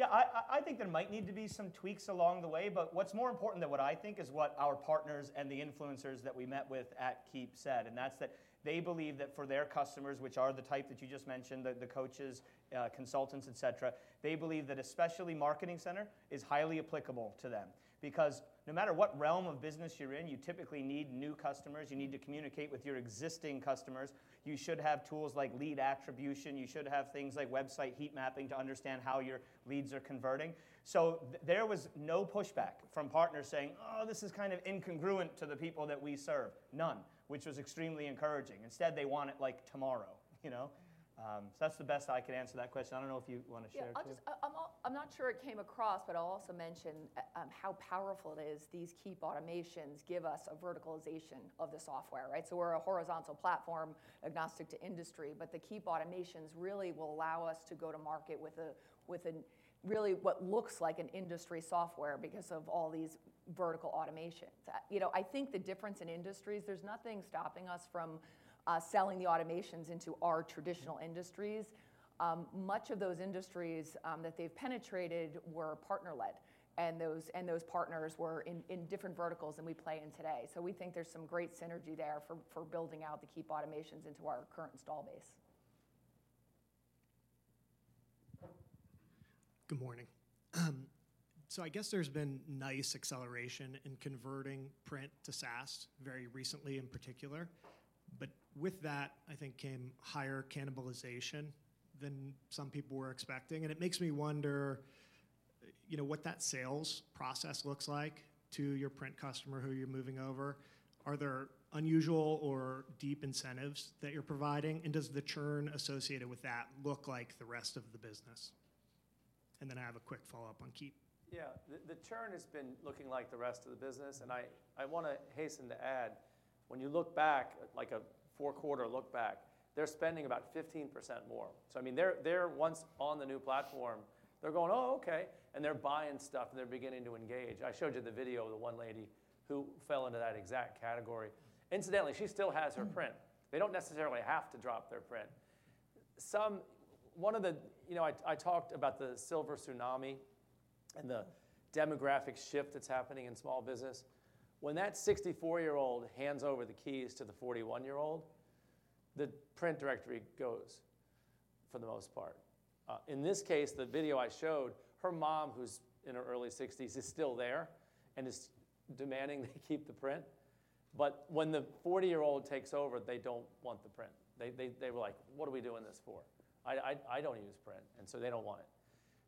Yeah, I think there might need to be some tweaks along the way, but what's more important than what I think is what our partners and the influencers that we met with at Keap said, and that's that they believe that for their customers, which are the type that you just mentioned, the coaches, consultants, et cetera, they believe that especially Marketing Center is highly applicable to them because no matter what realm of business you're in, you typically need new customers. You need to communicate with your existing customers. You should have tools like lead attribution. You should have things like website heat mapping to understand how your leads are converting. So there was no pushback from partners saying, "Oh, this is kind of incongruent to the people that we serve." None. Which was extremely encouraging. Instead, they want it like tomorrow, you know? So that's the best I could answer that question. I don't know if you wanna share it. Yeah. I'll just, I'm not sure it came across, but I'll also mention how powerful it is. These Keap automations give us a verticalization of the software, right? So we're a horizontal platform agnostic to industry, but the Keap automations really will allow us to go to market with a really what looks like an industry software because of all these vertical automations. You know, I think the difference in industries, there's nothing stopping us from selling the automations into our traditional industries. Much of those industries that they've penetrated were partner-led, and those partners were in different verticals than we play in today. So we think there's some great synergy there for building out the Keap automations into our current install base. Good morning. So I guess there's been nice acceleration in converting print to SaaS very recently in particular, but with that, I think came higher cannibalization than some people were expecting. And it makes me wonder, you know, what that sales process looks like to your print customer who you're moving over. Are there unusual or deep incentives that you're providing? And does the churn associated with that look like the rest of the business? And then I have a quick follow-up on Keap. Yeah. The churn has been looking like the rest of the business. And I wanna hasten to add, when you look back, like a four-quarter look back, they're spending about 15% more. So, I mean, they're once on the new platform, they're going, "Oh, okay." And they're buying stuff, and they're beginning to engage. I showed you the video of the one lady who fell into that exact category. Incidentally, she still has her print. They don't necessarily have to drop their print. I talked about the Silver Tsunami and the demographic shift that's happening in small business. When that 64-year-old hands over the keys to the 41-year-old, the print directory goes for the most part. In this case, the video I showed, her mom, who's in her early 60s, is still there and is demanding they keep the print. But when the 40-year-old takes over, they don't want the print. They were like, "What are we doing this for? I don't use print." And so they don't want it.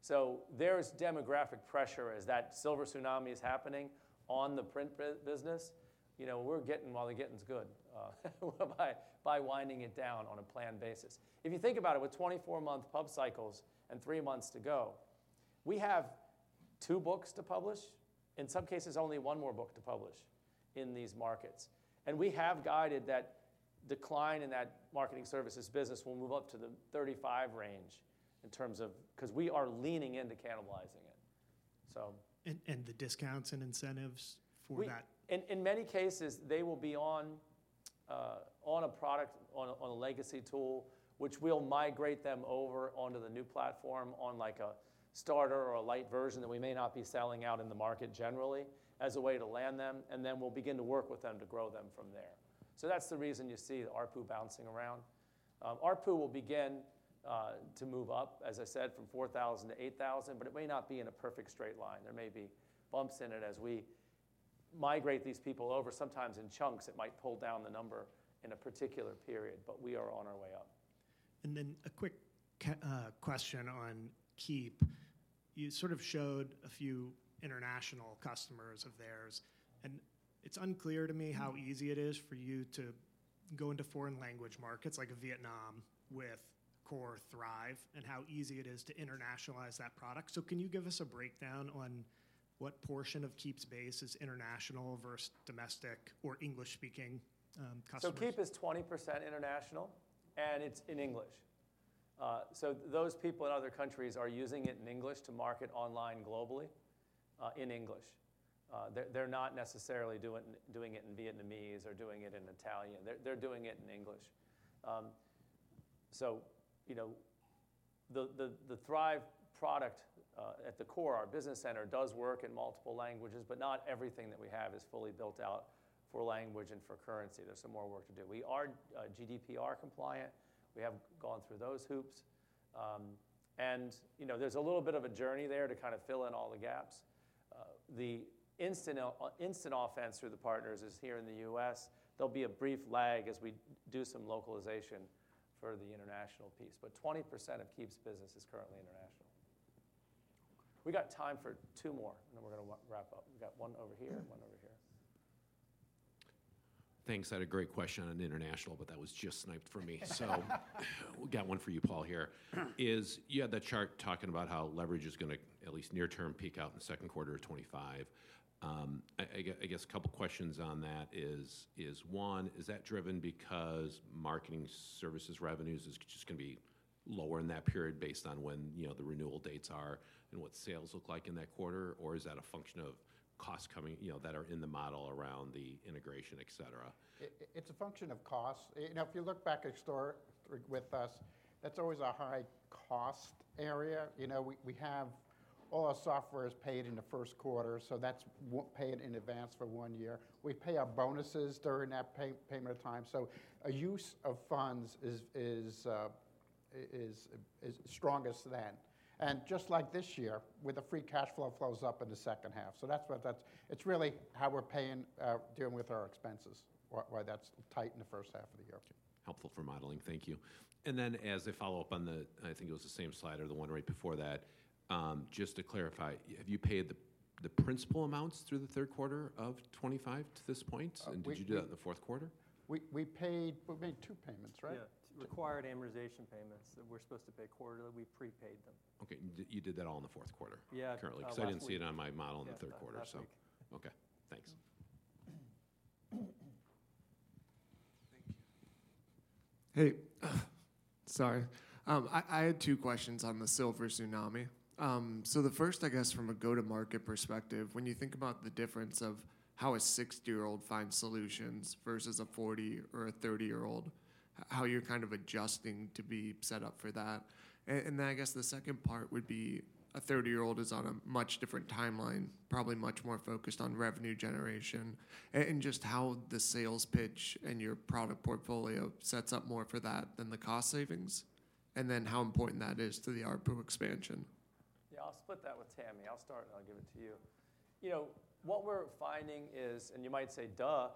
So there's demographic pressure as that Silver Tsunami is happening on the print side-business. You know, we're getting while the getting's good, by winding it down on a planned basis. If you think about it, with 24-month pub cycles and three months to go, we have two books to publish, in some cases only one more book to publish in these markets. And we have guided that decline in that Marketing Services business will move up to the 35 range in terms of 'cause we are leaning into cannibalizing it. So. And the discounts and incentives for that. And in many cases, they will be on a legacy tool, which we'll migrate them over onto the new platform on like a starter or a light version that we may not be selling out in the market generally as a way to land them. And then we'll begin to work with them to grow them from there. So that's the reason you see the ARPU bouncing around. ARPU will begin to move up, as I said, from $4,000-$8,000, but it may not be in a perfect straight line. There may be bumps in it as we migrate these people over. Sometimes in chunks, it might pull down the number in a particular period, but we are on our way up. And then a quick question on Keap. You sort of showed a few international customers of theirs, and it's unclear to me how easy it is for you to go into foreign language markets like Vietnam with core Thryv and how easy it is to internationalize that product. So can you give us a breakdown on what portion of Keap's base is international versus domestic or English-speaking customers? So Keap is 20% international, and it's in English. So those people in other countries are using it in English to market online globally, in English. They're not necessarily doing it in Vietnamese or doing it in Italian. They're doing it in English. So, you know, the Thryv product, at the core, our Business Center does work in multiple languages, but not everything that we have is fully built out for language and for currency. There's some more work to do. We are GDPR compliant. We have gone through those hoops. And, you know, there's a little bit of a journey there to kind of fill in all the gaps. The instant onboarding through the partners is here in the U.S. There'll be a brief lag as we do some localization for the international piece, but 20% of Keap's business is currently international. We got time for two more, and then we're gonna wrap up. We've got one over here and one over here. Thanks. I had a great question on international, but that was just sniped for me. So we got one for you, Paul, here. Is you had that chart talking about how leverage is gonna, at least near term, peak out in the second quarter of 2025. I get, I guess a couple questions on that is, is one, is that driven because Marketing Services revenues is just gonna be lower in that period based on when, you know, the renewal dates are and what sales look like in that quarter, or is that a function of cost coming, you know, that are in the model around the integration, et cetera? It's a function of cost. You know, if you look back at a store with us, that's always a high cost area. You know, we have all our software is paid in the first quarter, so that's paid in advance for one year. We pay our bonuses during that payment of time. So a use of funds is strongest then. And just like this year, with a free cash flow flows up in the second half. So that's what that's, it's really how we're paying, dealing with our expenses, why that's tight in the first half of the year. Helpful for modeling. Thank you. And then as a follow-up on the, I think it was the same slide or the one right before that, just to clarify, have you paid the principal amounts through the third quarter of 2025 to this point? And did you do that in the fourth quarter? We paid, we made two payments, right? Yeah. Required amortization payments that we're supposed to pay quarterly. We prepaid them. Okay. And you did that all in the fourth quarter currently? 'Cause I didn't see it on my model in the third quarter, so. Okay. Thanks. Thank you. Hey, sorry. I had two questions on the Silver Tsunami. So the first, I guess, from a go-to-market perspective, when you think about the difference of how a 60-year-old finds solutions versus a 40 or a 30-year-old, how you're kind of adjusting to be set up for that. Then I guess the second part would be a 30-year-old is on a much different timeline, probably much more focused on revenue generation and just how the sales pitch and your product portfolio sets up more for that than the cost savings, and then how important that is to the ARPU expansion. Yeah. I'll split that with Tami. I'll start, and I'll give it to you. You know, what we're finding is, and you might say duh,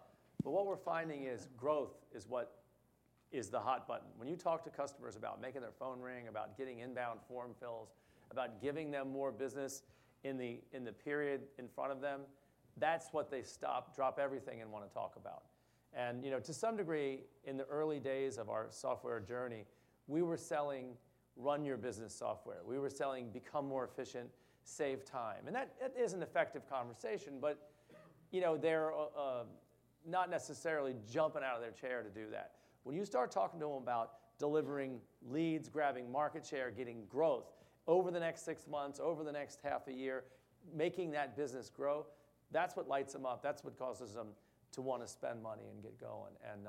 but what we're finding is growth is what is the hot button. When you talk to customers about making their phone ring, about getting inbound form fills, about giving them more business in the period in front of them, that's what they stop, drop everything and wanna talk about. You know, to some degree, in the early days of our software journey, we were selling run your business software. We were selling become more efficient, save time. And that is an effective conversation, but you know, they're not necessarily jumping out of their chair to do that. When you start talking to 'em about delivering leads, grabbing market share, getting growth over the next six months, over the next half a year, making that business grow, that's what lights 'em up. That's what causes 'em to wanna spend money and get going. And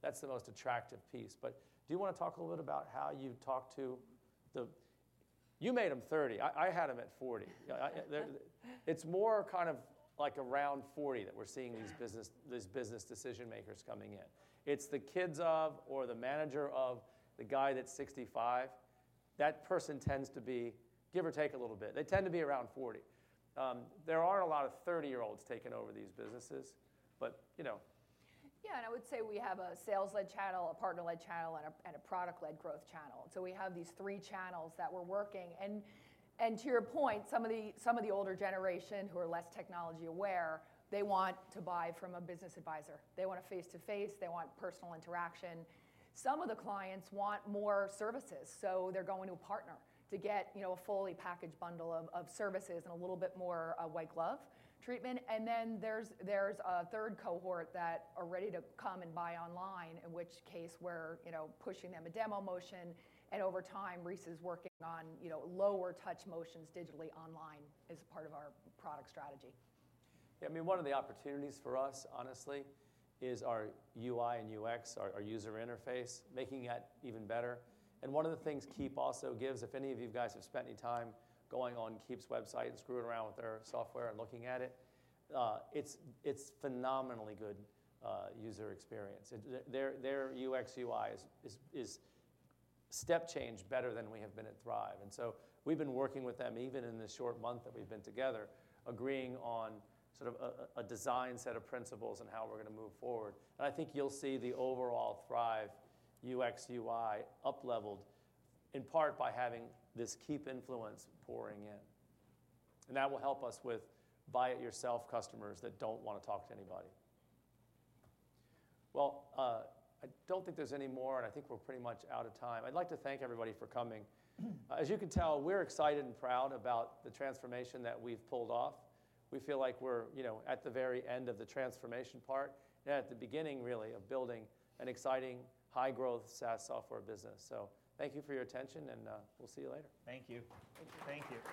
that's the most attractive piece. But do you wanna talk a little bit about how you talk to them? You made 'em 30. I had 'em at 40. There, it's more kind of like around 40 that we're seeing these business decision makers coming in.It's the kids or the manager of the guy that's 65. That person tends to be, give or take a little bit. They tend to be around 40. There aren't a lot of 30-year-olds taking over these businesses, but, you know. Yeah, and I would say we have a sales-led channel, a partner-led channel, and a, and a product-led growth channel. And so we have these three channels that we're working. And, and to your point, some of the, some of the older generation who are less technology aware, they want to buy from a business advisor. They wanna face to face. They want personal interaction. Some of the clients want more services, so they're going to a partner to get, you know, a fully packaged bundle of, of services and a little bit more white glove treatment. Then there's a third cohort that are ready to come and buy online, in which case we're, you know, pushing them a demo motion. And over time, Rees is working on, you know, lower touch motions digitally online as a part of our product strategy. Yeah. I mean, one of the opportunities for us, honestly, is our UI and UX, our user interface, making that even better. And one of the things Keap also gives, if any of you guys have spent any time going on Keap's website and screwing around with their software and looking at it, it's phenomenally good user experience. Their UX/UI is step change better than we have been at Thryv. And so we've been working with them even in the short month that we've been together, agreeing on sort of a design set of principles and how we're gonna move forward. And I think you'll see the overall Thryv UX/UI upleveled in part by having this Keap influence pouring in. And that will help us with buy-it-yourself customers that don't wanna talk to anybody. Well, I don't think there's any more, and I think we're pretty much out of time. I'd like to thank everybody for coming. As you can tell, we're excited and proud about the transformation that we've pulled off. We feel like we're, you know, at the very end of the transformation part and at the beginning, really, of building an exciting high-growth SaaS software business. So thank you for your attention, and, we'll see you later. Thank you. Thank you. Thank you.